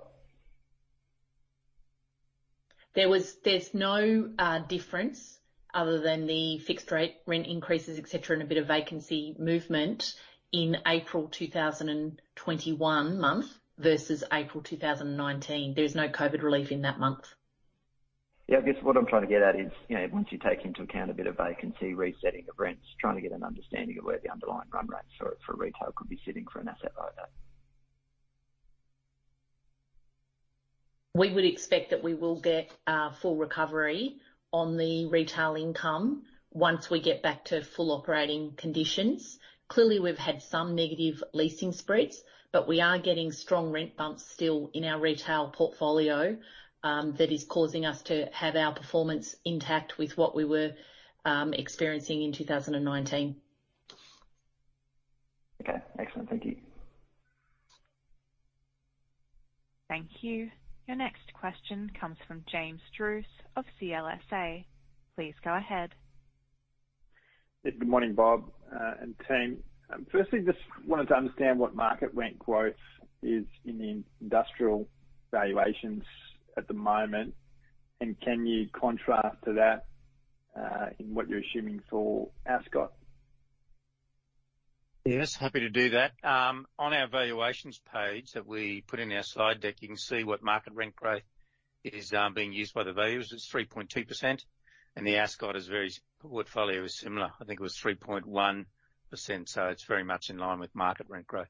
There's no difference other than the fixed rate rent increases, et cetera, and a bit of vacancy movement in April 2021 month versus April 2019. There is no COVID relief in that month. Yeah, I guess what I'm trying to get at is, once you take into account a bit of vacancy, resetting of rents, trying to get an understanding of where the underlying run rates for retail could be sitting for an asset like that. We would expect that we will get a full recovery on the retail income once we get back to full operating conditions. We've had some negative leasing spreads, but we are getting strong rent bumps still in our retail portfolio that is causing us to have our performance intact with what we were experiencing in 2019. Okay. Excellent. Thank you. Thank you. Your next question comes from James Druce of CLSA. Please go ahead. Good morning, Bob and team. Just wanted to understand what market rent growth is in the industrial valuations at the moment, and can you contrast to that in what you're assuming for Ascot? Yes, happy to do that. On our valuations page that we put in our slide deck, you can see what market rent growth is being used by the valuers. It's 3.2%, and the Ascot portfolio is similar. I think it was 3.1%, so it's very much in line with market rent growth.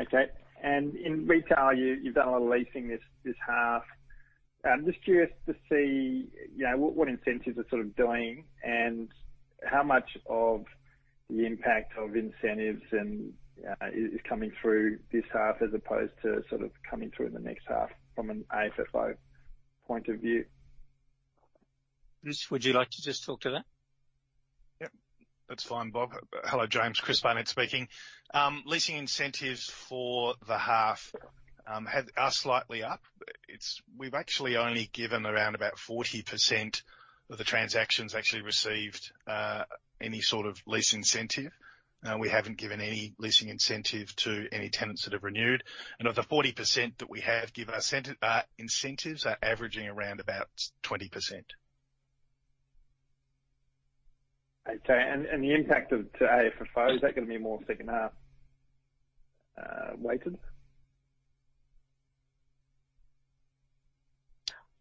Okay. In retail, you've done a lot of leasing this half. I'm just curious to see what incentives are doing and how much of the impact of incentives is coming through this half as opposed to coming through in the next half from an AFFO point of view? Chris, would you like to just talk to that? Yep. That's fine, Bob. Hello, James. Chris Barnett speaking. Leasing incentives for the half are slightly up. We've actually only given around about 40% of the transactions actually received any sort of lease incentive. We haven't given any leasing incentive to any tenants that have renewed. Of the 40% that we have given our incentives are averaging around about 20%. Okay. The impact to AFFO, is that going to be more second half weighted?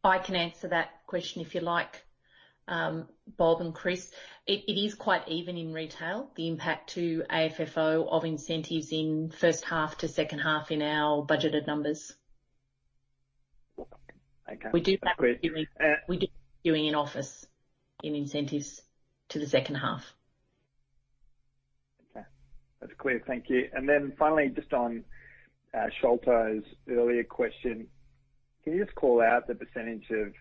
I can answer that question if you like, Bob and Chris. It is quite even in retail, the impact to AFFO of incentives in first half to second half in our budgeted numbers. Okay. We do plan... That's clear.... We're doing in office in incentives to the second half. Okay. That's clear. Thank you. Finally, just on Sholto's earlier question, can you just call out the percentage of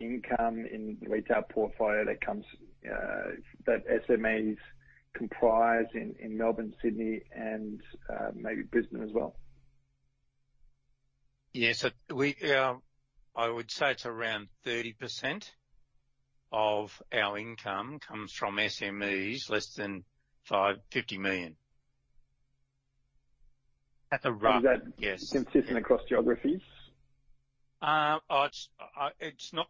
income in the retail portfolio that SMEs comprise in Melbourne, Sydney, and maybe Brisbane as well? Yes. I would say it's around 30% of our income comes from SMEs, less than 50 million. Is that... Yes... Consistent across geographies? It's not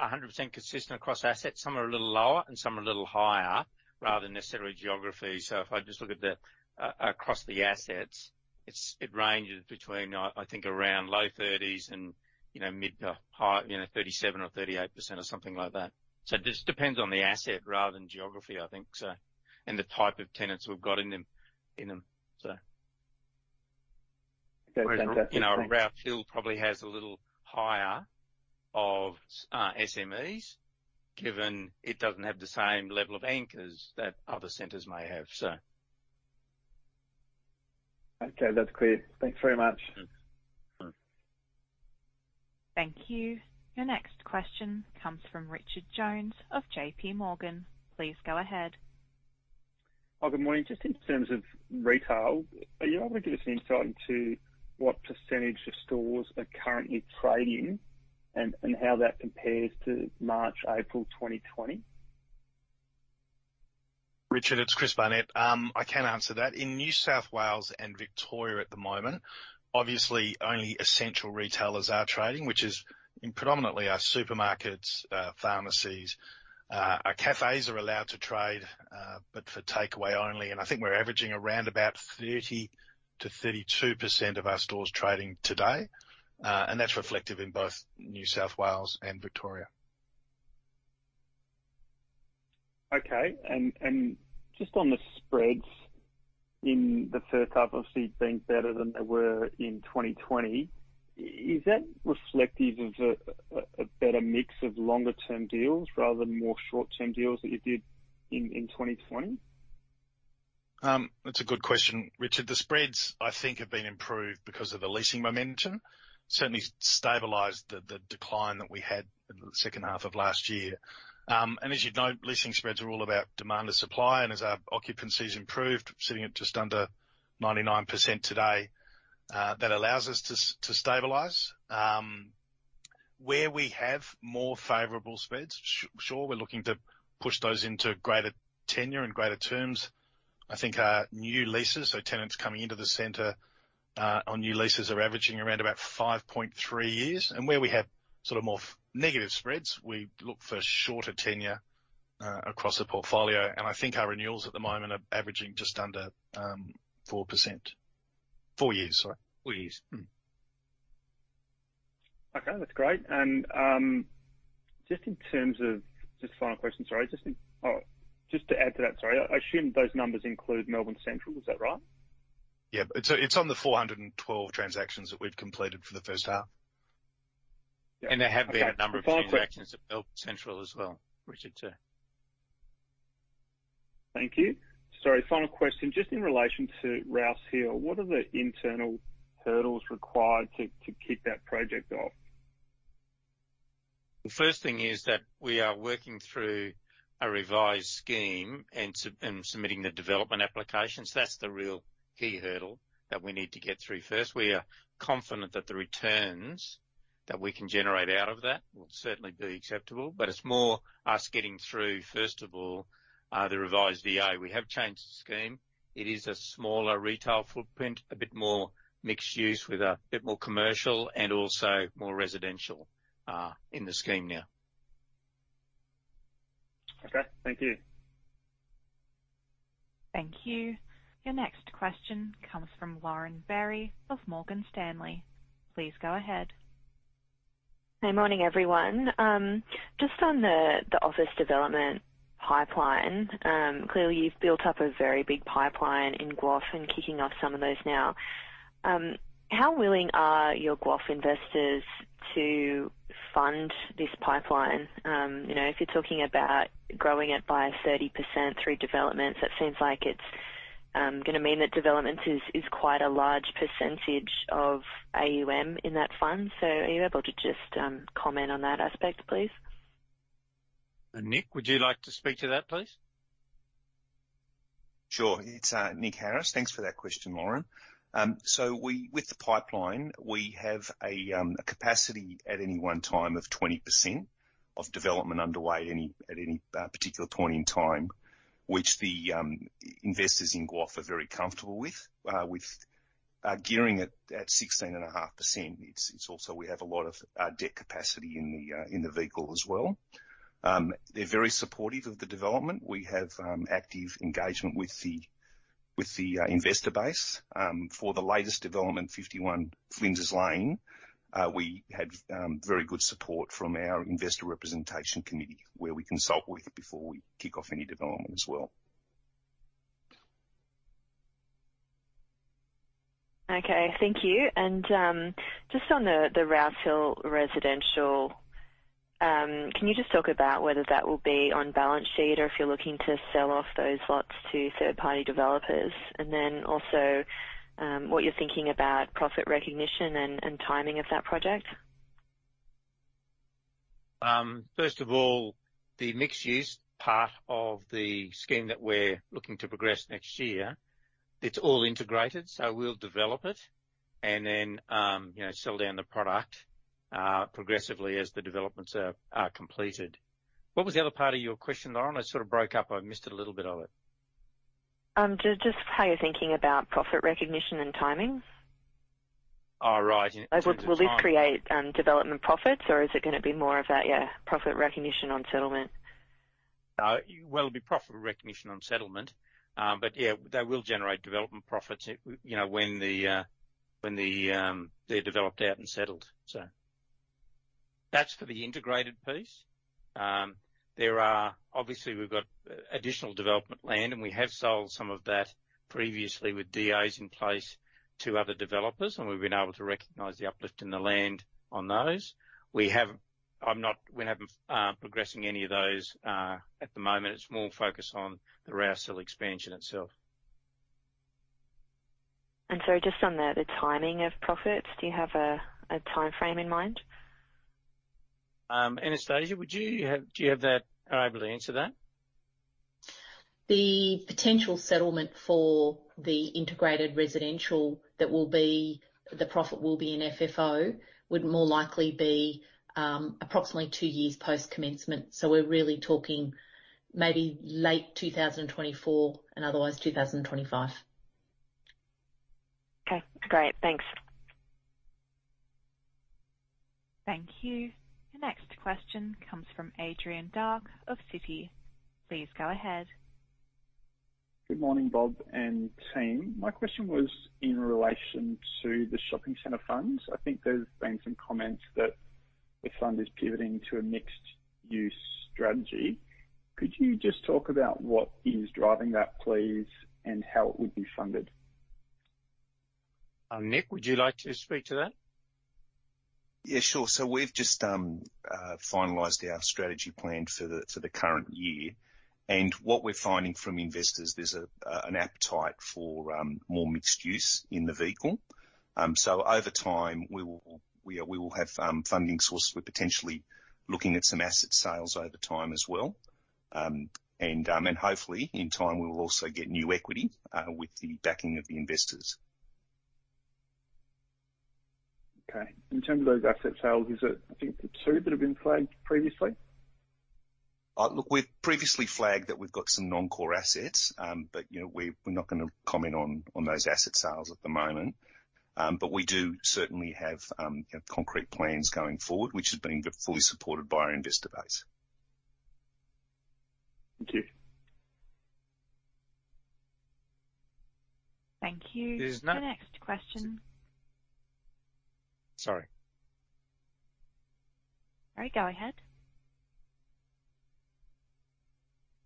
100% consistent across assets. Some are a little lower and some are a little higher rather than necessarily geography. If I just look at across the assets, it ranges between, I think, around low 30s and mid to high 37% or 38% or something like that. It just depends on the asset rather than geography, I think so, and the type of tenants we've got in them. Okay. Fantastic. Thanks. Rouse Hill probably has a little higher of SMEs, given it doesn't have the same level of anchors that other centers may have. Okay. That's clear. Thanks very much. Thank you. Your next question comes from Richard Jones of JPMorgan. Please go ahead. Good morning. Just in terms of retail, are you able to give us an insight into what percentage of stores are currently trading and how that compares to March, April 2020? Richard, it's Chris Barnett. I can answer that. In New South Wales and Victoria at the moment, obviously only essential retailers are trading, which is predominantly our supermarkets, pharmacies. Our cafes are allowed to trade for takeaway only. I think we're averaging around about 30%-32% of our stores trading today. That's reflective in both New South Wales and Victoria. Okay. Just on the spreads in the first half, obviously, being better than they were in 2020, is that reflective of a better mix of longer-term deals rather than more short-term deals that you did in 2020? That's a good question, Richard. The spreads, I think, have been improved because of the leasing momentum. Certainly stabilized the decline that we had in the second half of last year. As you'd know, leasing spreads are all about demand and supply, and as our occupancy has improved, sitting at just under 99% today, that allows us to stabilize. Where we have more favorable spreads, sure, we're looking to push those into greater tenure and greater terms. I think our new leases, so tenants coming into the center on new leases, are averaging around about 5.3 years. Where we have more negative spreads, we look for shorter tenure across the portfolio. I think our renewals at the moment are averaging just under 4%. Four years, sorry. Four years. Mm-hmm. Okay, that's great. Just final question. Just to add to that, sorry. I assume those numbers include Melbourne Central, is that right? Yeah. It's on the 412 transactions that we've completed for the first half. Yeah. Okay. There have been a number of transactions at Melbourne Central as well, Richard, too. Thank you. Sorry, final question. Just in relation to Rouse Hill, what are the internal hurdles required to kick that project off? The first thing is that we are working through a revised scheme and submitting the development applications. That's the real key hurdle that we need to get through first. We are confident that the returns that we can generate out of that will certainly be acceptable. It's more us getting through, first of all, the revised DA. We have changed the scheme. It is a smaller retail footprint, a bit more mixed use with a bit more commercial and also more residential in the scheme now. Okay, thank you. Thank you. Your next question comes from Lauren Berry of Morgan Stanley. Please go ahead. Hey, morning, everyone. Just on the office development pipeline. Clearly, you've built up a very big pipeline in GWOF and kicking off some of those now. How willing are your GWOF investors to fund this pipeline? If you're talking about growing it by 30% through developments, that seems like it's going to mean that developments is quite a large percentage of AUM in that fund. Are you able to just comment on that aspect, please? Nick, would you like to speak to that, please? Sure. It's Nick Harris. Thanks for that question, Lauren. With the pipeline, we have a capacity at any one time of 20% of development underway at any particular point in time, which the investors in GWOF are very comfortable with. With our gearing at 16.5%, also we have a lot of debt capacity in the vehicle as well. They're very supportive of the development. We have active engagement with the investor base. For the latest development, 51 Flinders Lane, we had very good support from our investor representation committee, where we consult with before we kick off any development as well. Okay. Thank you. Just on the Rouse Hill residential, can you just talk about whether that will be on balance sheet or if you're looking to sell off those lots to third-party developers? Also, what you're thinking about profit recognition and timing of that project. First of all, the mixed-use part of the scheme that we're looking to progress next year, it's all integrated, so we'll develop it and then sell down the product progressively as the developments are completed. What was the other part of your question, Lauren? It sort of broke up. I missed a little bit of it. Just how you're thinking about profit recognition and timing. Oh, right. In terms of timing. Will this create development profits, or is it going to be more of that, yeah, profit recognition on settlement? It'll be profit recognition on settlement. Yeah, they will generate development profits, when they're developed out and settled. That's for the integrated piece. Obviously, we've got additional development land, and we have sold some of that previously with DAs in place to other developers, and we've been able to recognize the uplift in the land on those. We haven't progressing any of those at the moment. It's more focused on the Rouse Hill expansion itself. Sorry, just on the timing of profits, do you have a timeframe in mind? Anastasia, are you able to answer that? The potential settlement for the integrated residential, the profit will be in FFO, would more likely be approximately two years post-commencement. We're really talking maybe late 2024 and otherwise 2025. Okay. Great. Thanks. Thank you. Your next question comes from Adrian Dark of Citi. Please go ahead. Good morning, Bob and team. My question was in relation to the shopping center funds. I think there has been some comments that the fund is pivoting to a mixed-use strategy. Could you just talk about what is driving that, please, and how it would be funded? Nick, would you like to speak to that? Yeah, sure. We've just finalized our strategy plan for the current year. What we're finding from investors, there's an appetite for more mixed use in the vehicle. Over time, we will have funding sources. We're potentially looking at some asset sales over time as well. Hopefully, in time, we will also get new equity with the backing of the investors. Okay. In terms of those asset sales, is it, I think, the two that have been flagged previously? Look, we've previously flagged that we've got some non-core assets, we're not going to comment on those asset sales at the moment. We do certainly have concrete plans going forward, which has been fully supported by our investor base. Thank you. Thank you. There's no... The next question. Sorry. All right, go ahead.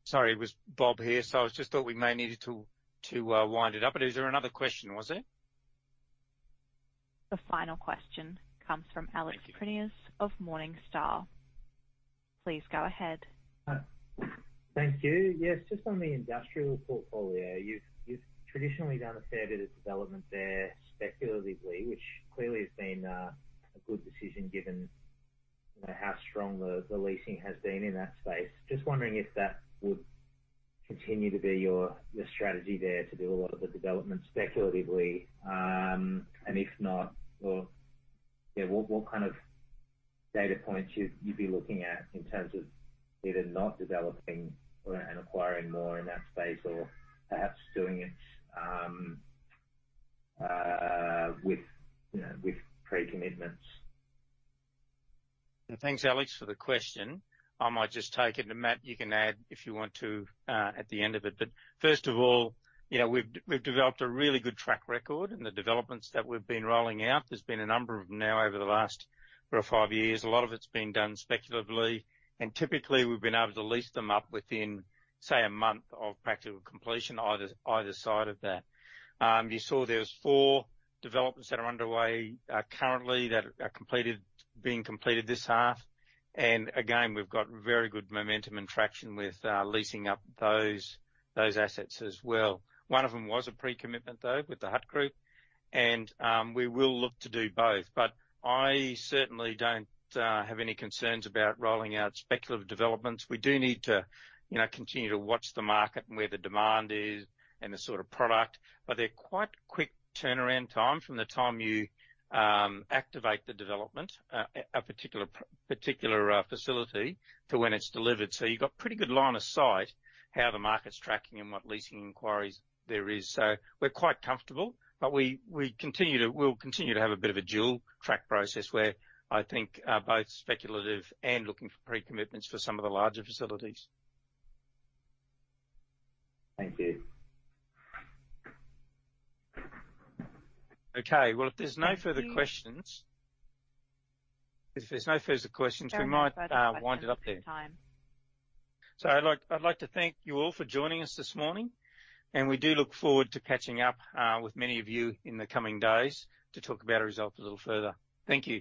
Sorry, it was Bob here. I just thought we may need to wind it up. Is there another question, was there? The final question comes from Alex Prineas of Morningstar. Please go ahead. Thank you. Yes, just on the industrial portfolio, you've traditionally done a fair bit of development there speculatively, which clearly has been a good decision given how strong the leasing has been in that space. Just wondering if that would continue to be your strategy there to do a lot of the development speculatively. If not, what kind of data points you'd be looking at in terms of either not developing and acquiring more in that space or perhaps doing it with pre-commitment?. Thanks, Alex, for the question. I might just take it, and Matt, you can add if you want to at the end of it. First of all, we've developed a really good track record in the developments that we've been rolling out. There's been a number of them now over the last four or five years. A lot of it's been done speculatively, and typically we've been able to lease them up within, say, a month of practical completion, either side of that. You saw there's four developments that are underway currently that are being completed this half. Again, we've got very good momentum and traction with leasing up those assets as well. One of them was a pre-commitment, though, with The Hut Group, and we will look to do both. I certainly don't have any concerns about rolling out speculative developments. We do need to continue to watch the market and where the demand is and the sort of product, but they're quite quick turnaround time from the time you activate the development, a particular facility, to when it's delivered. You've got pretty good line of sight how the market's tracking and what leasing inquiries there is. We're quite comfortable, but we'll continue to have a bit of a dual track process where I think both speculative and looking for pre-commitments for some of the larger facilities. Thank you. Okay. Well, if there's no further questions. Thank you. If there's no further questions, we might wind it up there. Very much for those questions on time. I'd like to thank you all for joining us this morning, and we do look forward to catching up with many of you in the coming days to talk about our results a little further. Thank you.